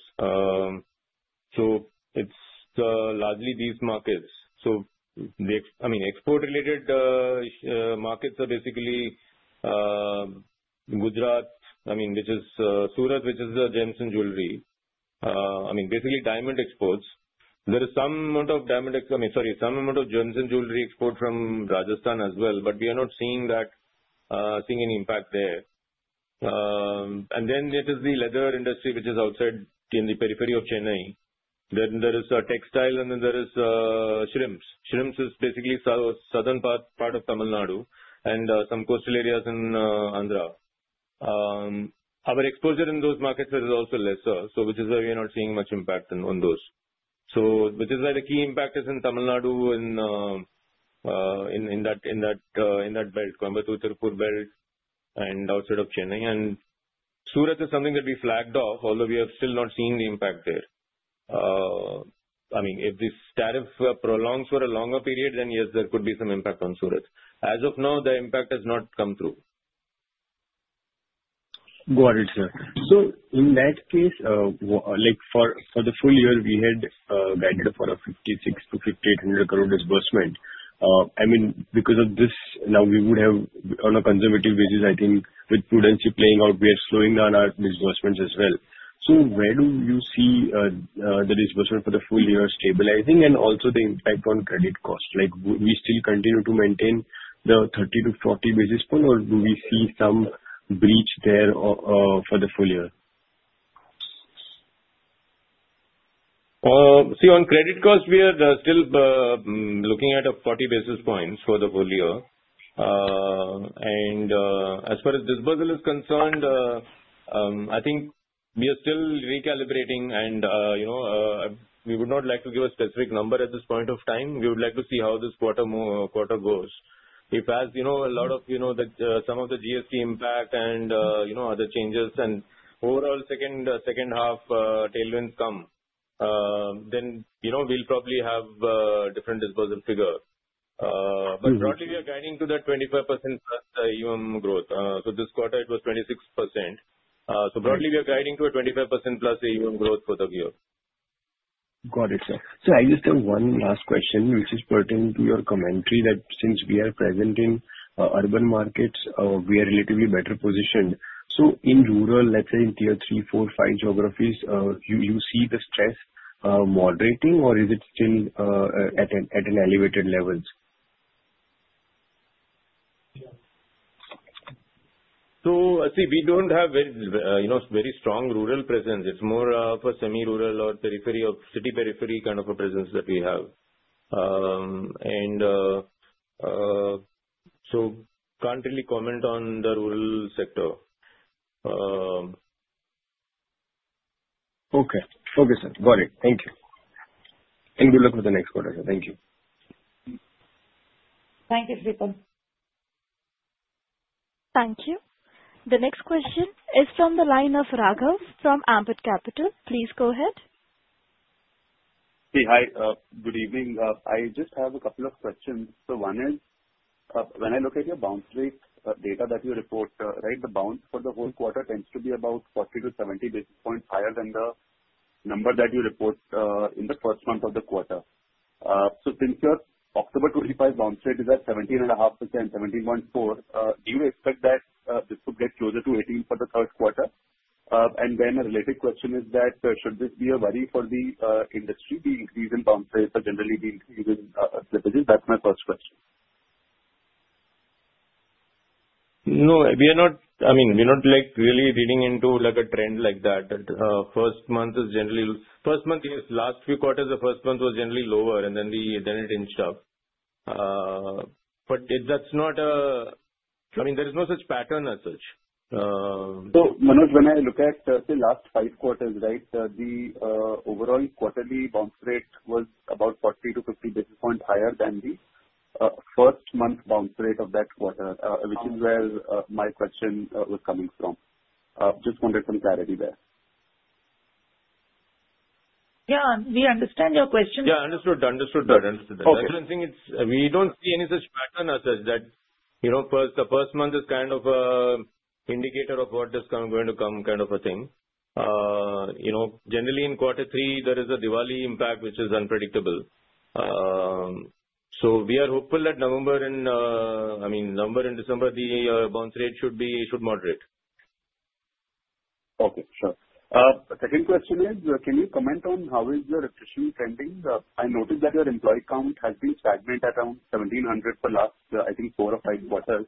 So it's largely these markets. So, I mean, export-related markets are basically Gujarat, I mean, which is Surat, which is the gemstone jewelry. I mean, basically diamond exports. There is some amount of diamond, I mean, sorry, some amount of gemstone jewelry export from Rajasthan as well, but we are not seeing any impact there. And then there is the leather industry, which is outside in the periphery of Chennai. Then there is textile, and then there is shrimps. Shrimps is basically southern part of Tamil Nadu and some coastal areas in Andhra. Our exposure in those markets is also lesser, so which is why we are not seeing much impact on those, so which is why the key impact is in Tamil Nadu in that belt, Coimbatore-Tiruppur belt, and outside of Chennai, and Surat is something that we flagged off, although we are still not seeing the impact there. I mean, if this tariff prolongs for a longer period, then yes, there could be some impact on Surat. As of now, the impact has not come through. Got it, sir. So in that case, for the full year, we had guided for a 5,600-5,800 crore disbursement. I mean, because of this, now we would have, on a conservative basis, I think, with prudence playing out, we are slowing down our disbursements as well. So where do you see the disbursement for the full year stabilizing and also the impact on credit cost? We still continue to maintain the 30 basis points-40 basis points, or do we see some breach there for the full year? See, on credit cost, we are still looking at 40 basis points for the full year. And as far as disbursal is concerned, I think we are still recalibrating, and we would not like to give a specific number at this point of time. We would like to see how this quarter goes. If as a lot of some of the GST impact and other changes and overall second half tailwinds come, then we'll probably have a different disbursal figure. But broadly, we are guiding to that 25%+ AUM growth. So this quarter, it was 26%. So broadly, we are guiding to a 25%+ AUM growth for the year. Got it, sir. So I just have one last question, which is pertinent to your commentary that since we are present in urban markets, we are relatively better positioned. So in rural, let's say in tier three, four, five geographies, you see the stress moderating, or is it still at an elevated level? So see, we don't have very strong rural presence. It's more of a semi-rural or periphery of city periphery kind of a presence that we have. And so can't really comment on the rural sector. Okay. Okay, sir. Got it. Thank you. And good luck with the next quarter, sir. Thank you. Thank you, Shreepal. Thank you. The next question is from the line of Raghav from Ambit Capital. Please go ahead. See, hi. Good evening. I just have a couple of questions. So one is, when I look at your bounce rate data that you report, right, the bounce for the whole quarter tends to be about 40 basis points-70 basis points higher than the number that you report in the first month of the quarter. So since your October 25 bounce rate is at 17.5%, 17.4%, do you expect that this could get closer to 18% for the third quarter? And then a related question is that should this be a worry for the industry, the increase in bounce rates are generally being slippages? That's my first question. No, we are not, I mean, we're not really digging into a trend like that. First month is generally first month, yes. Last few quarters, the first month was generally lower, and then it inched up. But that's not a, I mean, there is no such pattern as such. Manoj, when I look at the last five quarters, right, the overall quarterly bounce rate was about 40basis points-50 basis points higher than the first month bounce rate of that quarter, which is where my question was coming from. Just wanted some clarity there. Yeah, we understand your question. Yeah, understood. Understood. Understood. I was just saying we don't see any such pattern as such that the first month is kind of an indicator of what is going to come kind of a thing. Generally, in quarter three, there is a Diwali impact, which is unpredictable. So we are hopeful that November and, I mean, November and December, the bounce rate should moderate. Okay. Sure. Second question is, can you comment on how your attrition is trending? I noticed that your employee count has been stagnant at around 1,700 for the last, I think, four or five quarters.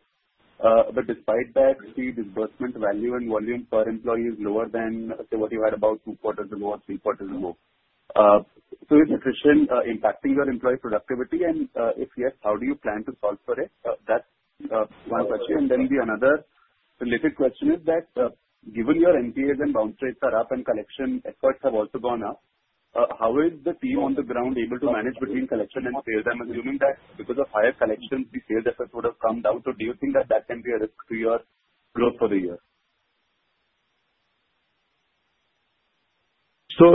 But despite that, see, disbursement value and volume per employee is lower than what you had about two quarters ago, or three quarters ago. So is attrition impacting your employee productivity? And if yes, how do you plan to solve for it? That's one question. And then another related question is that given your NPAs and bounce rates are up and collection efforts have also gone up, how is the team on the ground able to manage between collection and sales? I'm assuming that because of higher collections, the sales effort would have come down. So do you think that that can be a risk to your growth for the year? So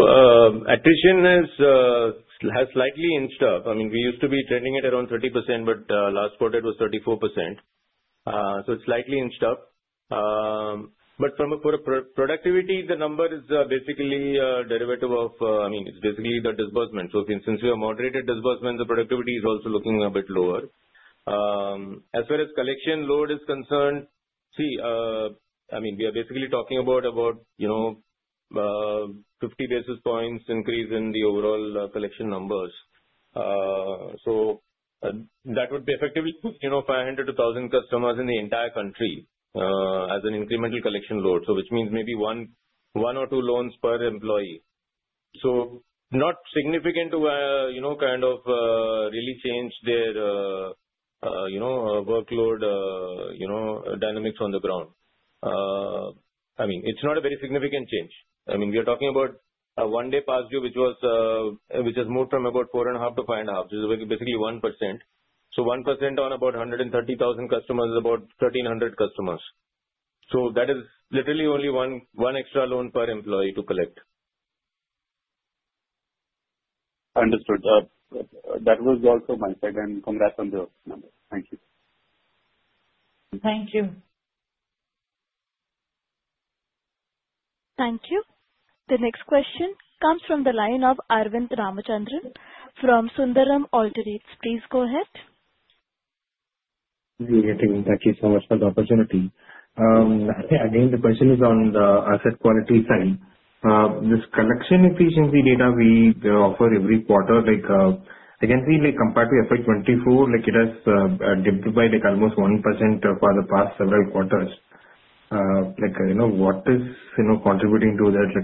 attrition has slightly inched up. I mean, we used to be trending at around 30%, but last quarter it was 34%. So it's slightly inched up. But for productivity, the number is basically a derivative of, I mean, it's basically the disbursement. So since we have moderated disbursements, the productivity is also looking a bit lower. As far as collection load is concerned, see, I mean, we are basically talking about 50 basis points increase in the overall collection numbers. So that would be effectively 500 customers-1000 customers in the entire country as an incremental collection load, which means maybe one or two loans per employee. So not significant to kind of really change their workload dynamics on the ground. I mean, it's not a very significant change. I mean, we are talking about a one-day past due, which has moved from about four and a half to five and a half, which is basically 1%. So 1% on about 130,000 customers is about 1,300 customers. So that is literally only one extra loan per employee to collect. Understood. That was also my second. Congrats on the numbers. Thank you. Thank you. Thank you. The next question comes from the line of Arvind Ramachandran from Sundaram Alternates. Please go ahead. Thank you so much for the opportunity. Again, the question is on the asset quality side. This collection efficiency data we offer every quarter. Again, we compare to FY24. It has dipped by almost 1% for the past several quarters. What is contributing to that?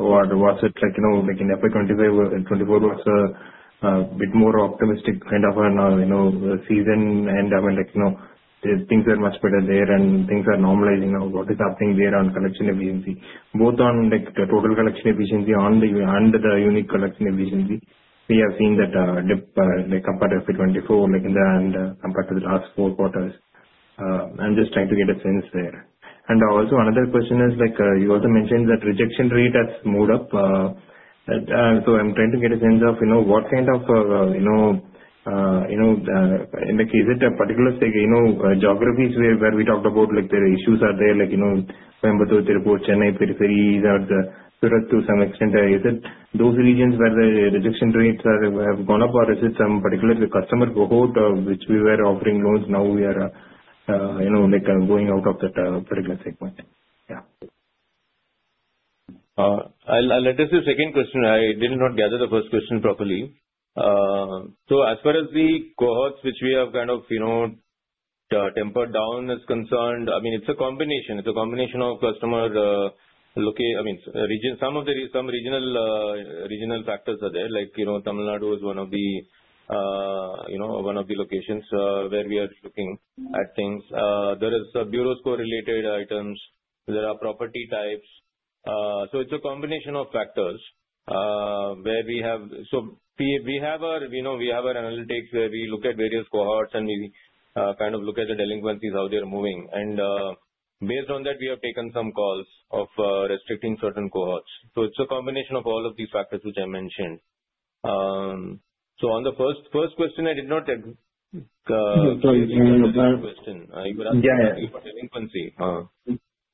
Or was it like in FY24 was a bit more optimistic kind of a season? I mean, things are much better there, and things are normalizing. What is happening there on collection efficiency? Both on total collection efficiency and the unique collection efficiency, we have seen that dip compared to FY24 and compared to the last four quarters. I'm just trying to get a sense there. Also another question is, you also mentioned that rejection rate has moved up. I'm trying to get a sense of what kind of—is it particular geographies where we talked about their issues are there, like Coimbatore-Tiruppur, Chennai peripheries, or Surat to some extent? Is it those regions where the rejection rates have gone up, or is it some particular customer cohort which we were offering loans? Now we are going out of that particular segment. Yeah. I'll let you ask the second question. I did not gather the first question properly. So as far as the cohorts which we have kind of tempered down are concerned, I mean, it's a combination. It's a combination of customer, I mean, some of the regional factors are there. Tamil Nadu is one of the locations where we are looking at things. There are bureau score-related items. There are property types. So it's a combination of factors where we have, so we have our analytics where we look at various cohorts and we kind of look at the delinquencies, how they're moving. And based on that, we have taken some calls of restricting certain cohorts. So it's a combination of all of these factors which I mentioned. So on the first question, I did not. Sorry, you can answer that question. Could answer delinquency.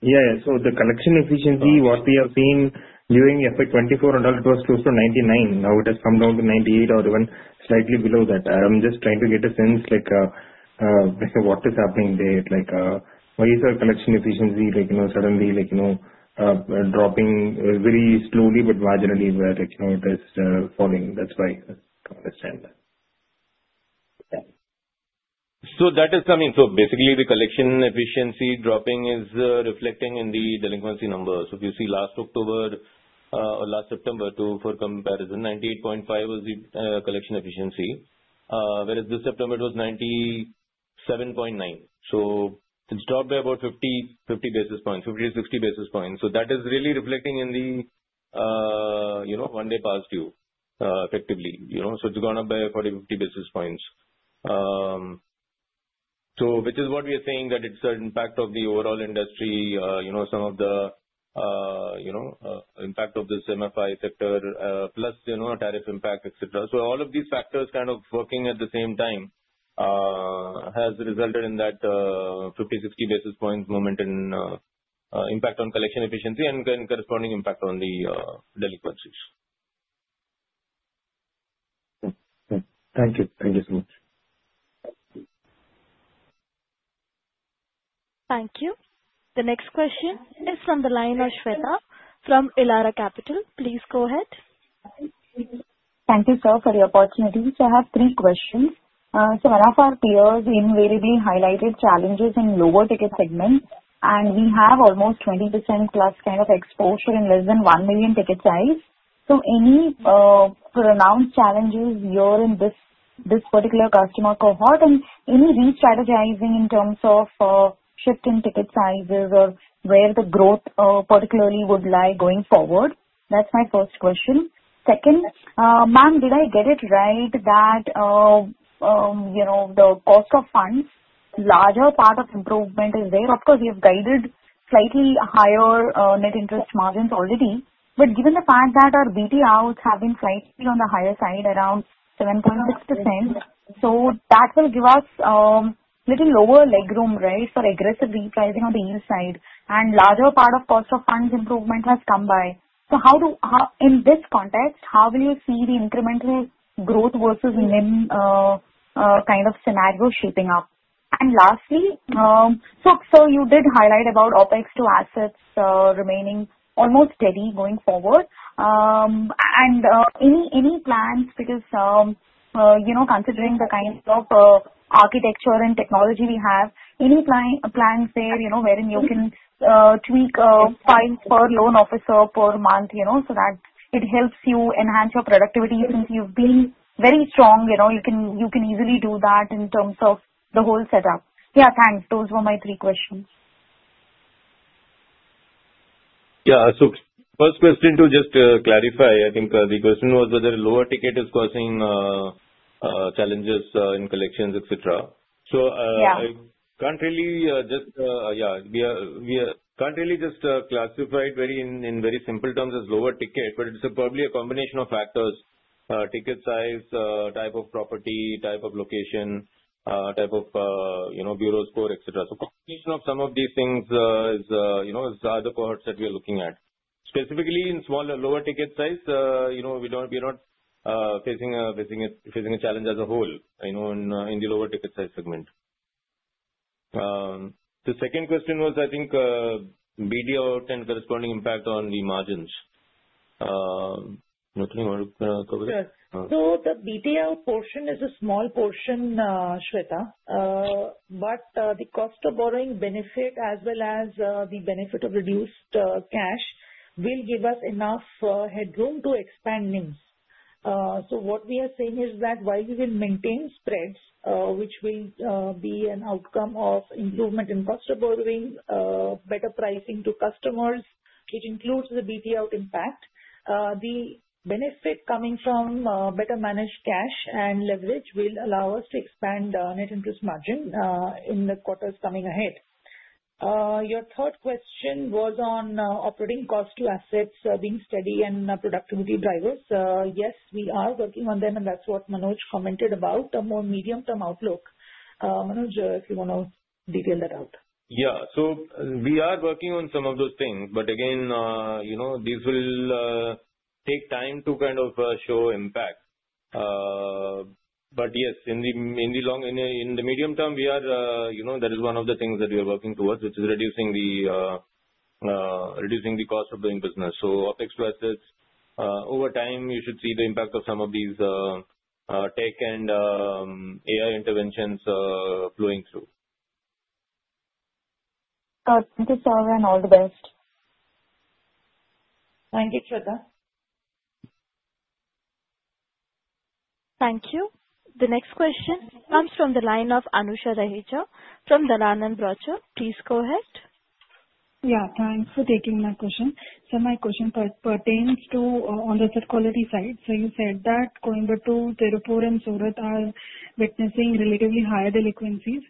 Yeah. So the collection efficiency, what we have seen during FY24, it was close to 99%. Now it has come down to 98% or even slightly below that. I'm just trying to get a sense what is happening there. Why is our collection efficiency suddenly dropping very slowly, but marginally where it is falling? That's why I'm trying to understand that. That is coming. Basically, the collection efficiency dropping is reflecting in the delinquency numbers. If you see last October or last September, for comparison, 98.5% was the collection efficiency, whereas this September it was 97.9%. It's dropped by about 50 basis points, 50 basis points-60 basis points. That is really reflecting in the one-plus days past due effectively. It's gone up by 40 basis points, 50 basis points, which is what we are saying that it's an impact of the overall industry, some of the impact of the semi-urban sector, plus tariff impact, etc. All of these factors kind of working at the same time has resulted in that 50 basis points, 60 basis points movement in impact on collection efficiency and corresponding impact on the delinquencies. Thank you. Thank you so much. Thank you. The next question is from the line of Shweta from Elara Capital. Please go ahead. Thank you, sir, for the opportunity. So I have three questions. So one of our peers invariably highlighted challenges in lower ticket segments, and we have almost 20%+ kind of exposure in less than one million ticket size. So any pronounced challenges here in this particular customer cohort, and any restrategizing in terms of shifting ticket sizes or where the growth particularly would lie going forward? That's my first question. Second, ma'am, did I get it right that the cost of funds, larger part of improvement is there? Of course, we have guided slightly higher net interest margins already, but given the fact that our BT Outshave been slightly on the higher side, around 7.6%, so that will give us a little lower legroom, right, for aggressive repricing on the yield side, and larger part of cost of funds improvement has come by. So in this context, how will you see the incremental growth versus NIM kind of scenario shaping up? And lastly, so you did highlight about OpEx to assets remaining almost steady going forward. And any plans, because considering the kind of architecture and technology we have, any plans there wherein you can tweak five per loan officer per month so that it helps you enhance your productivity since you've been very strong, you can easily do that in terms of the whole setup. Yeah, thanks. Those were my three questions. Yeah. So first question to just clarify, I think the question was whether lower ticket is causing challenges in collections, etc. So we can't really just classify it in very simple terms as lower ticket, but it's probably a combination of factors: ticket size, type of property, type of location, type of bureau score, etc. So combination of some of these things is the other cohorts that we are looking at. Specifically in smaller lower ticket size, we are not facing a challenge as a whole in the lower ticket size segment. The second question was, I think, BDO and corresponding impact on the margins. Nothing more to cover? Sure, so the BTR portion is a small portion, Shweta, but the cost of borrowing benefit as well as the benefit of reduced cash will give us enough headroom to expand NIMs, so what we are saying is that while we will maintain spreads, which will be an outcome of improvement in cost of borrowing, better pricing to customers, it includes the BTR impact. The benefit coming from better managed cash and leverage will allow us to expand net interest margin in the quarters coming ahead. Your third question was on operating cost to assets being steady and productivity drivers. Yes, we are working on them, and that's what Manoj commented about, a more medium-term outlook. Manoj, if you want to detail that out. Yeah. So we are working on some of those things, but again, these will take time to kind of show impact. But yes, in the medium term, we are, that is one of the things that we are working towards, which is reducing the cost of doing business. So OpEx to assets, over time, you should see the impact of some of these tech and AI interventions flowing through. Thank you, sir, and all the best. Thank you, Shweta. Thank you. The next question comes from the line of Anusha Raheja from Dalal & Broacha. Please go ahead. Yeah. Thanks for taking my question. So my question pertains to the asset quality side. So you said that Coimbatore, Uttar Pradesh, and Surat are witnessing relatively higher delinquencies.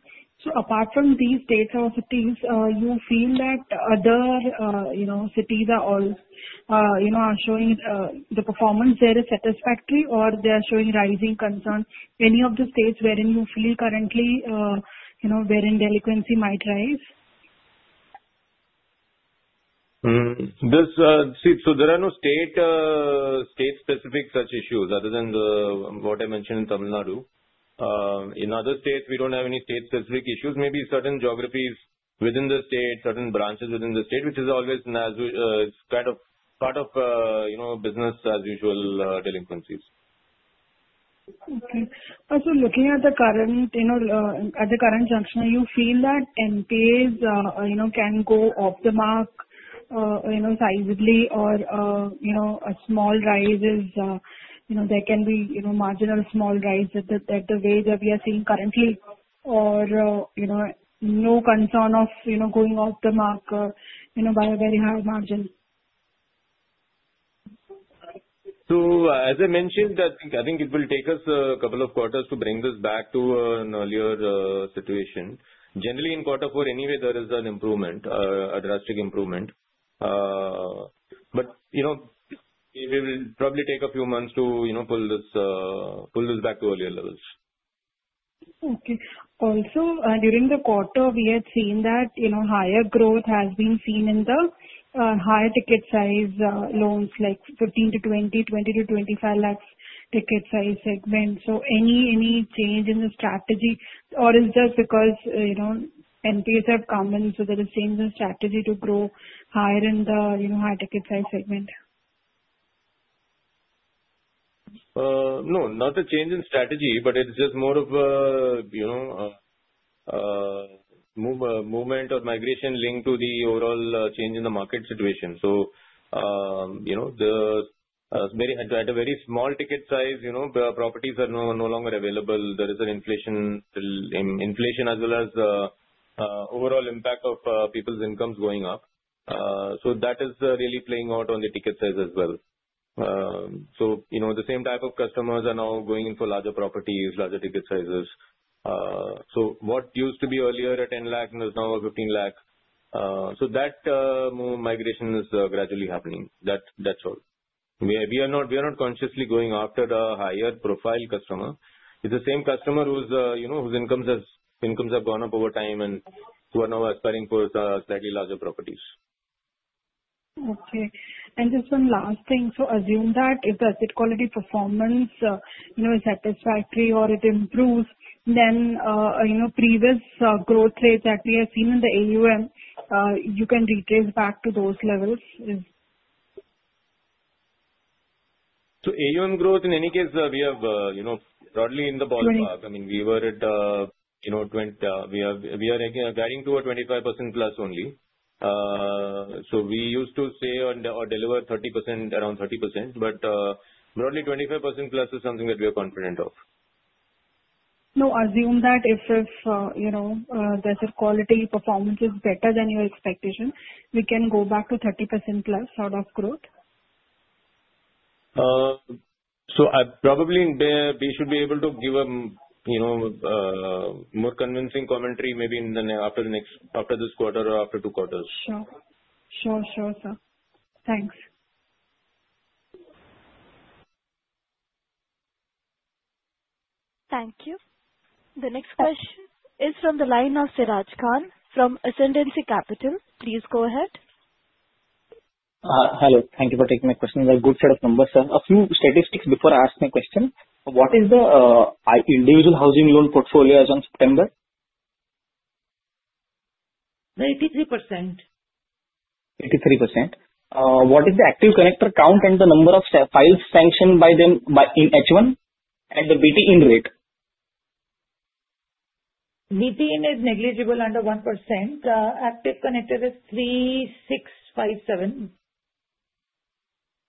So apart from these states or cities, you feel that other cities are showing the performance there is satisfactory, or they are showing rising concerns? Any of the states wherein you feel currently delinquency might rise? There are no state-specific such issues other than what I mentioned in Tamil Nadu. In other states, we don't have any state-specific issues. Maybe certain geographies within the state, certain branches within the state, which is always kind of part of business as usual delinquencies. Okay, so looking at the current juncture, you feel that NPAs can go off the mark sizably, or a small rise is there can be marginal small rise at the way that we are seeing currently, or no concern of going off the mark by a very high margin? So as I mentioned, I think it will take us a couple of quarters to bring this back to an earlier situation. Generally, in quarter four anyway, there is an improvement, a drastic improvement. But it will probably take a few months to pull this back to earlier levels. Okay. Also, during the quarter, we had seen that higher growth has been seen in the higher ticket size loans, like 15 lakhs-20 lakhs, 20 lakhs-25 lakhs ticket size segment. So any change in the strategy, or is that because NPAs have come in, so there is a change in strategy to grow higher in the high ticket size segment? No, not a change in strategy, but it's just more of a movement or migration linked to the overall change in the market situation. So at a very small ticket size, properties are no longer available. There is an inflation as well as overall impact of people's incomes going up. So that is really playing out on the ticket size as well. So the same type of customers are now going in for larger properties, larger ticket sizes. So what used to be earlier at 10 lakh and is now +15 lakh. So that migration is gradually happening. That's all. We are not consciously going after the higher profile customer. It's the same customer whose incomes have gone up over time, and who are now aspiring for slightly larger properties. Okay. And just one last thing. So assume that if the asset quality performance is satisfactory or it improves, then previous growth rates that we have seen in the AUM, you can retrace back to those levels? So AUM growth, in any case, we have broadly in the ballpark. I mean, we were at 20%, we are heading toward 25%+ only. So we used to say or deliver around 30%, but broadly 25%+ is something that we are confident of. No, assume that if asset quality performance is better than your expectation, we can go back to 30%+ out of growth? So probably we should be able to give a more convincing commentary maybe after this quarter or after two quarters. Sure. Sure, sure, sir. Thanks. Thank you. The next question is from the line of Siraj Khan from Ascendency Capital. Please go ahead. Hello. Thank you for taking my question. I have a good set of numbers, sir. A few statistics before I ask my question. What is the individual housing loan portfolio as of September? 83%. 83%? What is the active connector count and the number of files sanctioned by them in H1 and the BTIN rate? BTIN is negligible under 1%. Active connector is 3657.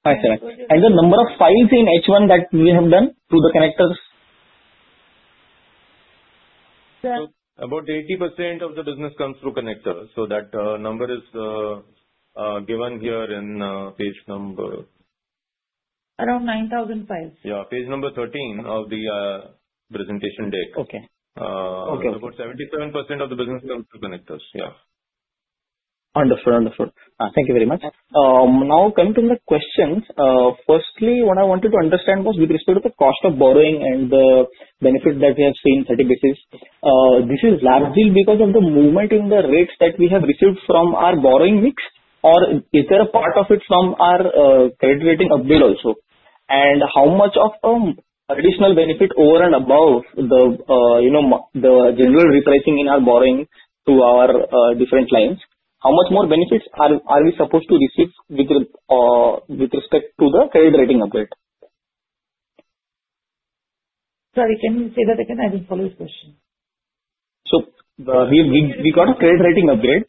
57. And the number of files in H1 that we have done through the connectors? About 80% of the business comes through connector. So that number is given here in page number. Around 9,000 files. Yeah. Page number 13 of the presentation deck. About 77% of the business comes through connectors. Yeah. Wonderful, wonderful. Thank you very much. Now coming to the questions. Firstly, what I wanted to understand was with respect to the cost of borrowing and the benefit that we have seen, 30 basis points. This is a large deal because of the movement in the rates that we have received from our borrowing mix, or is there a part of it from our credit rating upgrade also? And how much of additional benefit over and above the general repricing in our borrowing to our different lines? How much more benefits are we supposed to receive with respect to the credit rating upgrade? Sorry, can you say that again? I didn't follow your question. We got a credit rating upgrade.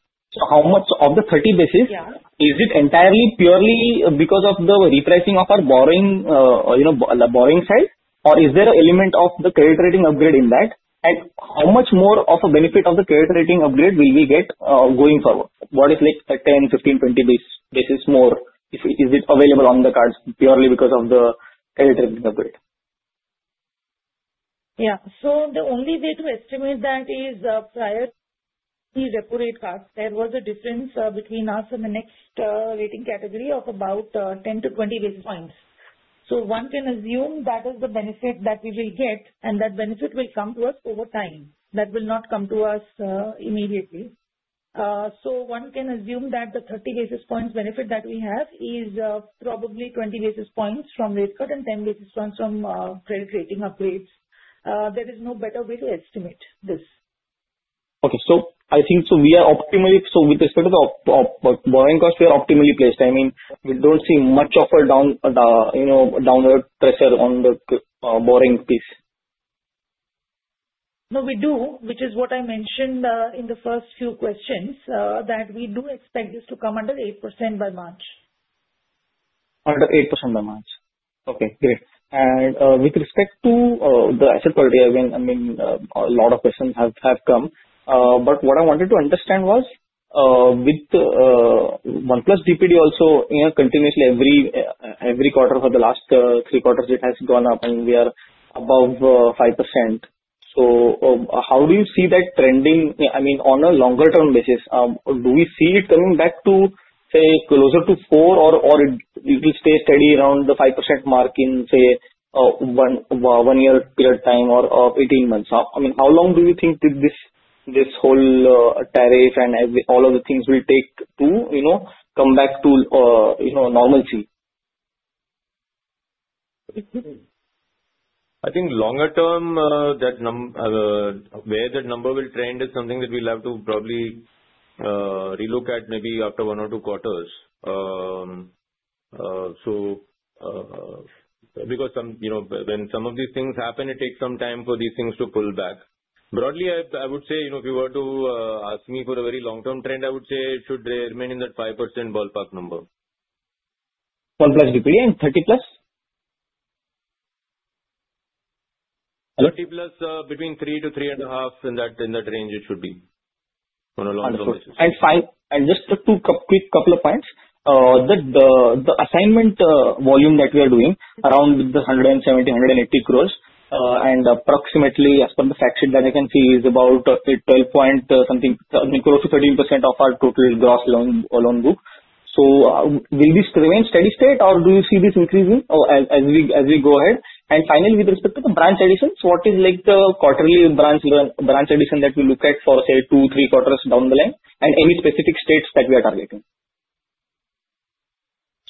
How much of the 30 basis points is it entirely purely because of the repricing of our borrowing side, or is there an element of the credit rating upgrade in that? And how much more of a benefit of the credit rating upgrade will we get going forward? What is like 10 basis points, 15 basis points, 20 basis points more? Is it available on the cards purely because of the credit rating upgrade? Yeah. So the only way to estimate that is prior to the repo rate cuts, there was a difference between us and the next rating category of about 10 basis points-20 basis points. So one can assume that is the benefit that we will get, and that benefit will come to us over time. That will not come to us immediately. So one can assume that the 30 basis points benefit that we have is probably 20 basis points from rate cut and 10 basis points from credit rating upgrades. There is no better way to estimate this. Okay. So I think we are optimally placed with respect to the borrowing cost. I mean, we don't see much of a downward pressure on the borrowing piece. No, we do, which is what I mentioned in the first few questions, that we do expect this to come under 8% by March. Under 8% by March. Okay. Great. And with respect to the asset quality, I mean, a lot of questions have come. But what I wanted to understand was with 1+ DPD also continuously every quarter for the last three quarters, it has gone up, and we are above 5%. So how do you see that trending? I mean, on a longer-term basis, do we see it coming back to, say, closer to 4%, or it will stay steady around the 5% mark in, say, one-year period time or 18 months? I mean, how long do you think this whole tariff and all of the things will take to come back to normalcy? I think longer-term, where that number will trend is something that we'll have to probably relook at maybe after one or two quarters, so because when some of these things happen, it takes some time for these things to pull back. Broadly, I would say if you were to ask me for a very long-term trend, I would say it should remain in that 5% ballpark number. 1+ DPD and 30+ DPD? 30+ between 3-3.5 in that range, it should be on a long-term basis. And just two quick couple of points. The assignment volume that we are doing around 170 crores-INR180 crores, and approximately, as per the facts sheet that I can see, is about 12 point something, close to 13% of our total gross loan book. So will this remain steady state, or do you see this increasing as we go ahead? And finally, with respect to the branch additions, what is the quarterly branch addition that we look at for, say, two, three quarters down the line? And any specific states that we are targeting?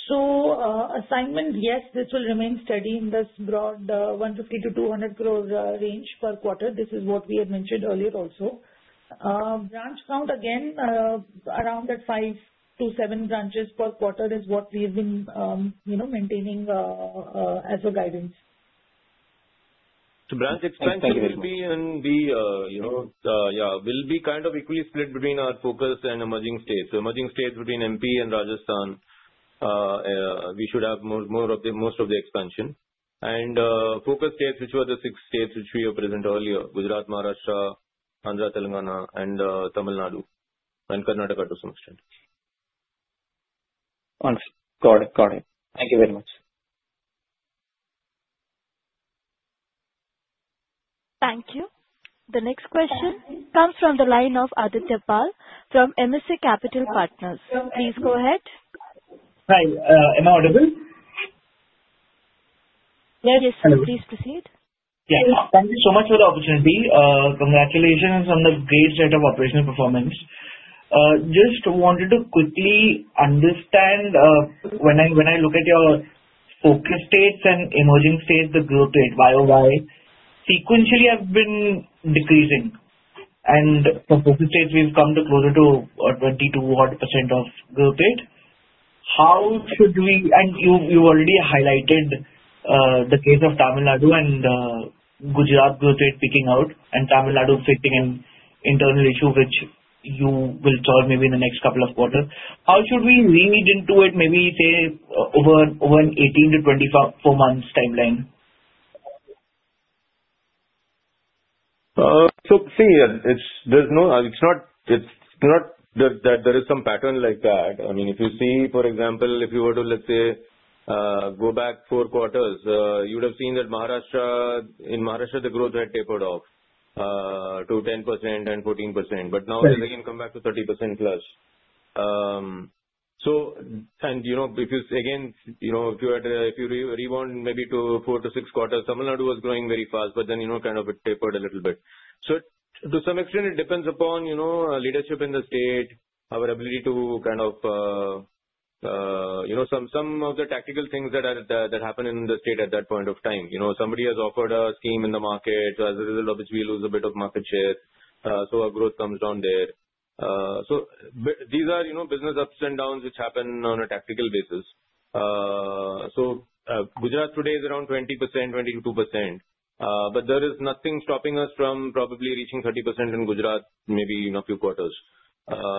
Assignment, yes, this will remain steady in this broad 150 crore-200 crore range per quarter. This is what we had mentioned earlier also. Branch count, again, around that 5 branches per quarter-7 branches per quarter is what we have been maintaining as a guidance. So branch expansion should be, yeah, will be kind of equally split between our focus and emerging states. So emerging states between MP and Rajasthan, we should have most of the expansion. And focus states, which were the six states which we were present earlier, Gujarat, Maharashtra, Andhra, Telangana, and Tamil Nadu, and Karnataka to some extent. Wonderful. Got it. Got it. Thank you very much. Thank you. The next question comes from the line of Aditya Pal from MSA Capital Partners. Please go ahead. Hi. Am I audible? Yes, please proceed. Yeah. Thank you so much for the opportunity. Congratulations on the great set of operational performance. Just wanted to quickly understand when I look at your focus states and emerging states, the growth rate, YOY, sequentially have been decreasing. And for focus states, we've come closer to 22% of growth rate. And you already highlighted the case of Tamil Nadu and Gujarat growth rate peaking out, and Tamil Nadu facing an internal issue, which you will solve maybe in the next couple of quarters. How should we lean into it, maybe say over an 18 months-24 months timeline? So see, there's no, it's not that there is some pattern like that. I mean, if you see, for example, if you were to, let's say, go back four quarters, you would have seen that in Maharashtra, the growth had tapered off to 10% and 14%. But now it has again come back to 30%+. And again, if you rewind maybe to four to six quarters, Tamil Nadu was growing very fast, but then kind of it tapered a little bit. So to some extent, it depends upon leadership in the state, our ability to kind of some of the tactical things that happen in the state at that point of time. Somebody has offered a scheme in the market, as a result of which we lose a bit of market share. So our growth comes down there. So these are business ups and downs which happen on a tactical basis. So Gujarat today is around 20%-22%. But there is nothing stopping us from probably reaching 30% in Gujarat maybe in a few quarters.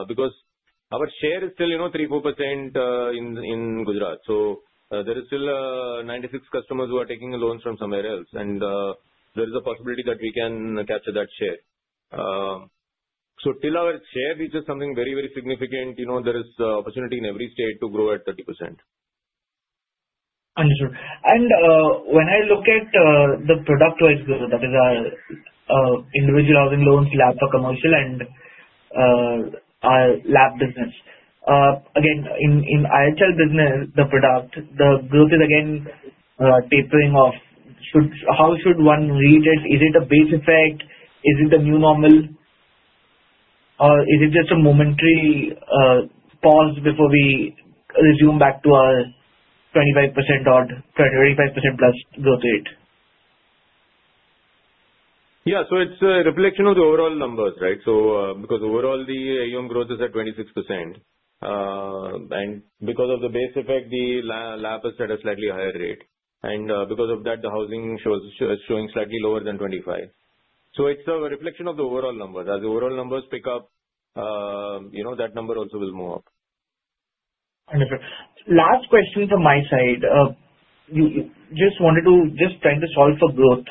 Because our share is still 3%-4% in Gujarat. So there are still 96% of customers who are taking loans from somewhere else. And there is a possibility that we can capture that share. So till our share reaches something very, very significant, there is opportunity in every state to grow at 30%. Understood. And when I look at the product-wise, that is our individual housing loans, LAP for commercial, and our LAP business. Again, in IHL business, the product, the growth is again tapering off. How should one read it? Is it a base effect? Is it the new normal? Or is it just a momentary pause before we resume back to our 25% or 25%+ growth rate? Yeah. So it's a reflection of the overall numbers, right? So because overall, the AUM growth is at 26%. And because of the base effect, the LAP is at a slightly higher rate. And because of that, the housing is showing slightly lower than 25%. So it's a reflection of the overall numbers. As the overall numbers pick up, that number also will move up. Understood. Last question from my side. Just wanted to just try to solve for growth.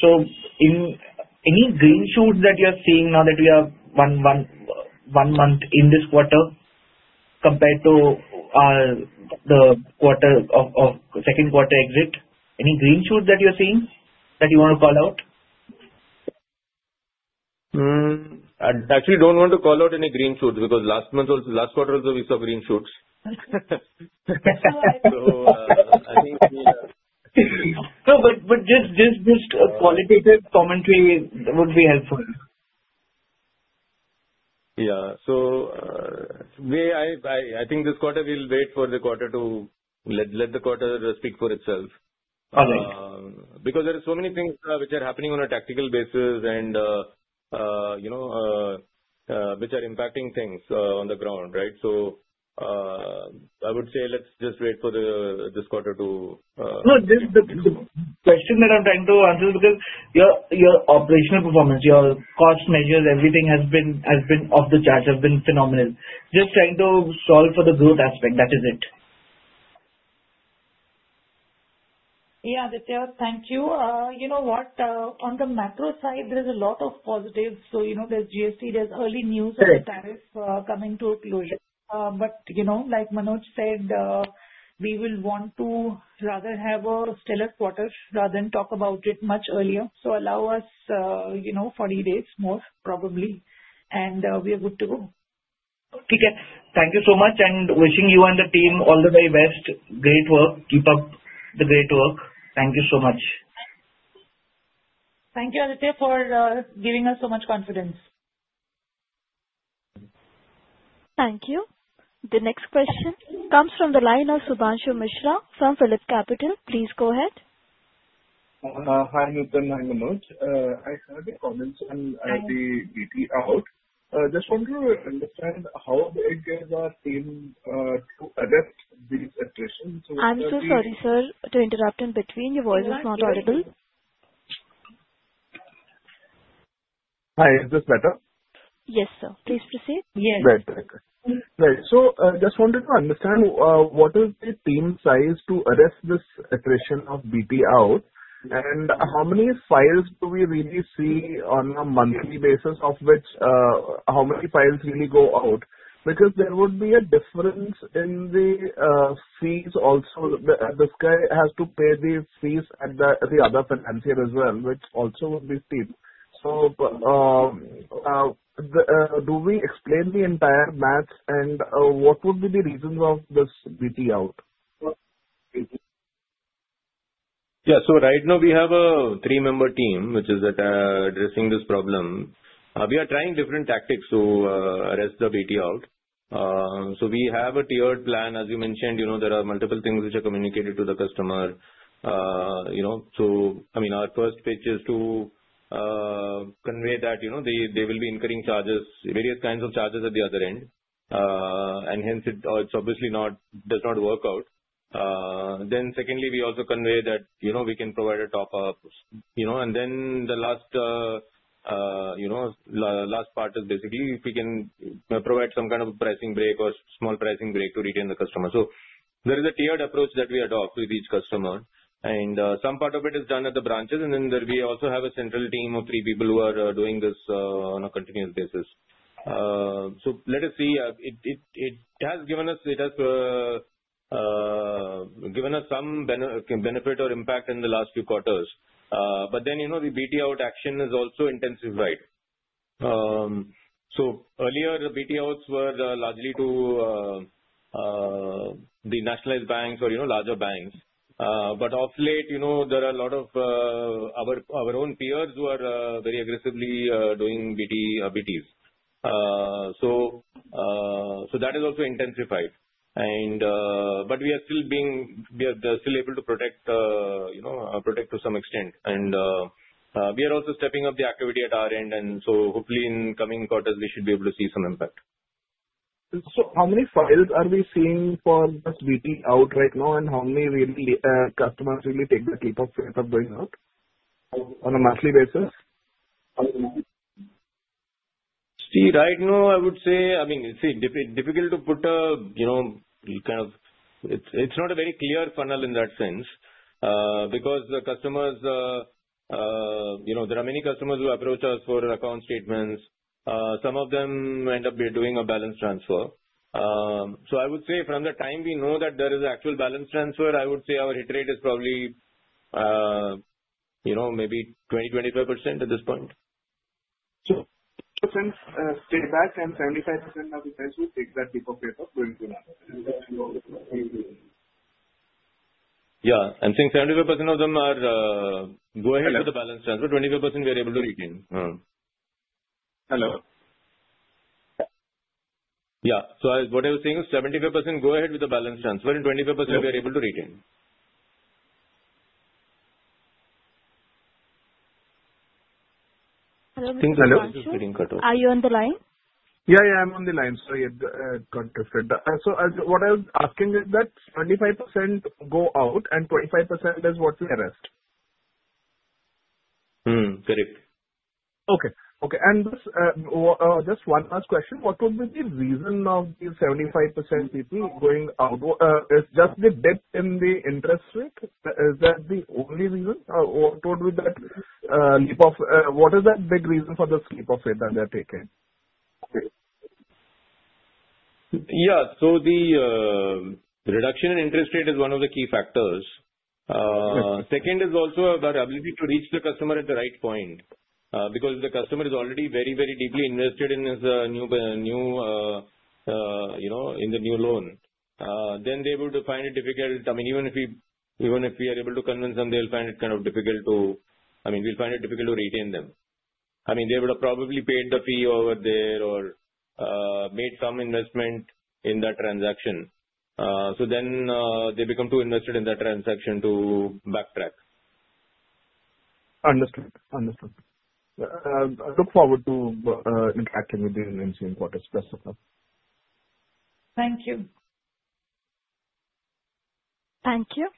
So any green shoot that you're seeing now that we are one month in this quarter compared to the second quarter exit? Any green shoot that you're seeing that you want to call out? I actually don't want to call out any green shoots because last quarter was weak of green shoots. So I think. No, but just qualitative commentary would be helpful. Yeah. So I think this quarter, we'll wait for the quarter to let the quarter speak for itself. Because there are so many things which are happening on a tactical basis and which are impacting things on the ground, right? So I would say let's just wait for this quarter to. No, the question that I'm trying to answer is because your operational performance, your cost measures, everything has been off the charts, has been phenomenal. Just trying to solve for the growth aspect. That is it. Yeah, Aditya, thank you. You know what? On the macro side, there's a lot of positives, so there's GST, there's early news of the tariff coming to a closure, but like Manoj said, we will want to rather have a stellar quarter rather than talk about it much earlier, so allow us 40 days more, probably, and we are good to go. Okay. Thank you so much, and wishing you and the team all the very best. Great work. Keep up the great work. Thank you so much. Thank you, Aditya, for giving us so much confidence. Thank you. The next question comes from the line of Shubhranshu Mishra from PhillipCapital. Please go ahead. Hi, Manoj. I have a comment on the outlook. Just want to understand how you intend to address these attritions? I'm so sorry, sir, to interrupt in between. Your voice is not audible. Hi, is this better? Yes, sir. Please proceed. Yes. Right, right, right. So just wanted to understand what is the team size to address this attrition of BT out? And how many files do we really see on a monthly basis of which how many files really go out? Because there would be a difference in the fees also. This guy has to pay the fees at the other financier as well, which also would be steep. So do we explain the entire match? And what would be the reasons of this BT out? Yeah. So right now, we have a three-member team which is addressing this problem. We are trying different tactics to address the BT out. So we have a tiered plan. As you mentioned, there are multiple things which are communicated to the customer. So I mean, our first pitch is to convey that they will be incurring charges, various kinds of charges at the other end. And hence, it obviously does not work out. Then secondly, we also convey that we can provide a top-up. And then the last part is basically if we can provide some kind of a pricing break or small pricing break to retain the customer. So there is a tiered approach that we adopt with each customer. And some part of it is done at the branches. And then we also have a central team of three people who are doing this on a continuous basis. So let us see. It has given us some benefit or impact in the last few quarters. But then the BT out action is also intensified. So earlier, the BT outs were largely to the nationalized banks or larger banks. But of late, there are a lot of our own peers who are very aggressively doing BTs. So that has also intensified. But we are still able to protect to some extent. And we are also stepping up the activity at our end. And so hopefully, in coming quarters, we should be able to see some impact. How many files are we seeing for this BT out right now? And how many customers really take the leap of going out on a monthly basis? See, right now, I would say, I mean, see, difficult to put a kind of it's not a very clear funnel in that sense. Because the customers, there are many customers who approach us for account statements. Some of them end up doing a balance transfer. So I would say from the time we know that there is an actual balance transfer, I would say our hit rate is probably maybe 20%-25% at this point. So, say that and 75% of the customers take that keep of going to. Yeah. I'm saying 75% of them are go ahead with the balance transfer. 25% we are able to retain. Hello? Yeah. So what I was saying is 75% go ahead with the balance transfer, and 25% we are able to retain. Hello? Hello? Are you on the line? Yeah, yeah. I'm on the line. Sorry, it got disrupted. So what I was asking is that 25% go out and 25% is what we arrest? Correct. Okay. And just one last question. What would be the reason of the 75% people going out? Is just the dip in the interest rate? Is that the only reason? What would be that leap of what is that big reason for this leap of rate that they're taking? Yeah. The reduction in interest rate is one of the key factors. Second is also our ability to reach the customer at the right point. Because the customer is already very, very deeply invested in the new loan. Then they would find it difficult. I mean, even if we are able to convince them, they'll find it kind of difficult to I mean, we'll find it difficult to retain them. I mean, they would have probably paid the fee over there or made some investment in that transaction. So then they become too invested in that transaction to backtrack. Understood. Understood. I look forward to interacting with you in seeing what is possible. Thank you. Thank you.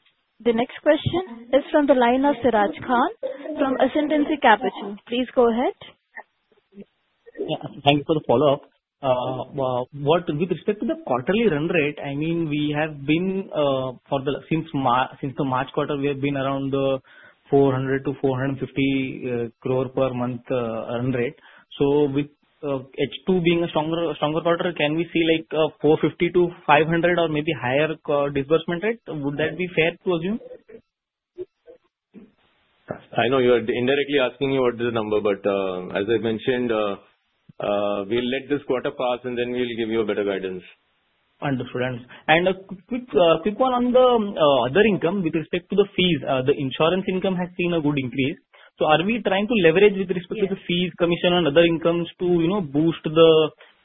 The next question is from the line of Siraj Khan from Ascendency Capital. Please go ahead. Yeah. Thank you for the follow-up. With respect to the quarterly run rate, I mean, we have been since the March quarter, we have been around the 400-450 crore per month run rate. So with H2 being a stronger quarter, can we see like 450-500 or maybe higher disbursement rate? Would that be fair to assume? I know you are indirectly asking you what is the number, but as I mentioned, we'll let this quarter pass, and then we'll give you a better guidance. Understood. And a quick one on the other income with respect to the fees. The insurance income has seen a good increase. So are we trying to leverage with respect to the fees, commission, and other incomes to boost the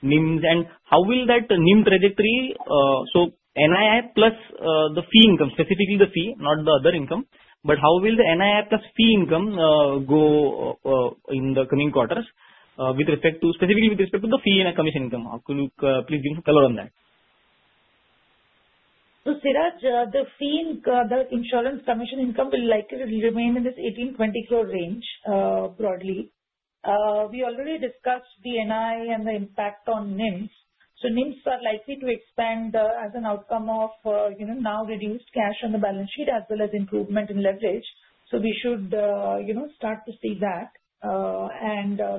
NIMs? And how will that NIM trajectory? So NII plus the fee income, specifically the fee, not the other income. But how will the NII plus fee income go in the coming quarters with respect to specifically with respect to the fee and commission income? Please give some color on that. Siraj, the fee and the insurance commission income will likely remain in this 18-20 crore range broadly. We already discussed the NII and the impact on NIMs. NIMs are likely to expand as an outcome of now reduced cash on the balance sheet as well as improvement in leverage. We should start to see that.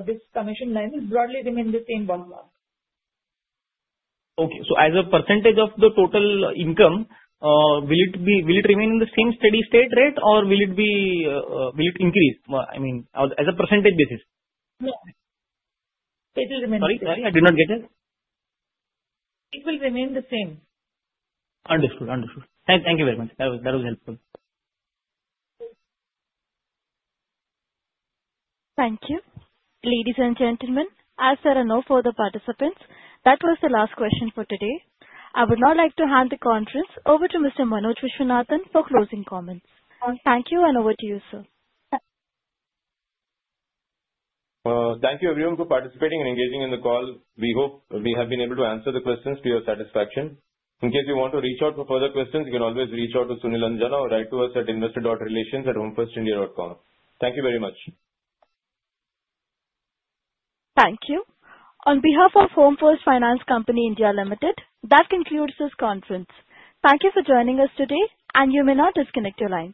This commission line will broadly remain the same ballpark. Okay. So as a percentage of the total income, will it remain in the same steady state rate, or will it increase? I mean, as a percentage basis? No. It will remain the same. Sorry? Sorry. I did not get it. It will remain the same. Understood. Understood. Thank you very much. That was helpful. Thank you. Ladies and gentlemen, as there are no further participants, that was the last question for today. I would now like to hand the conference over to Mr. Manoj Viswanathan for closing comments. Thank you, and over to you, sir. Thank you everyone for participating and engaging in the call. We hope we have been able to answer the questions to your satisfaction. In case you want to reach out for further questions, you can always reach out to Sunil Anjana or write to us at investor.relations@homefirstindia.com. Thank you very much. Thank you. On behalf of Home First Finance Company India Limited, that concludes this conference. Thank you for joining us today, and you may now disconnect your lines.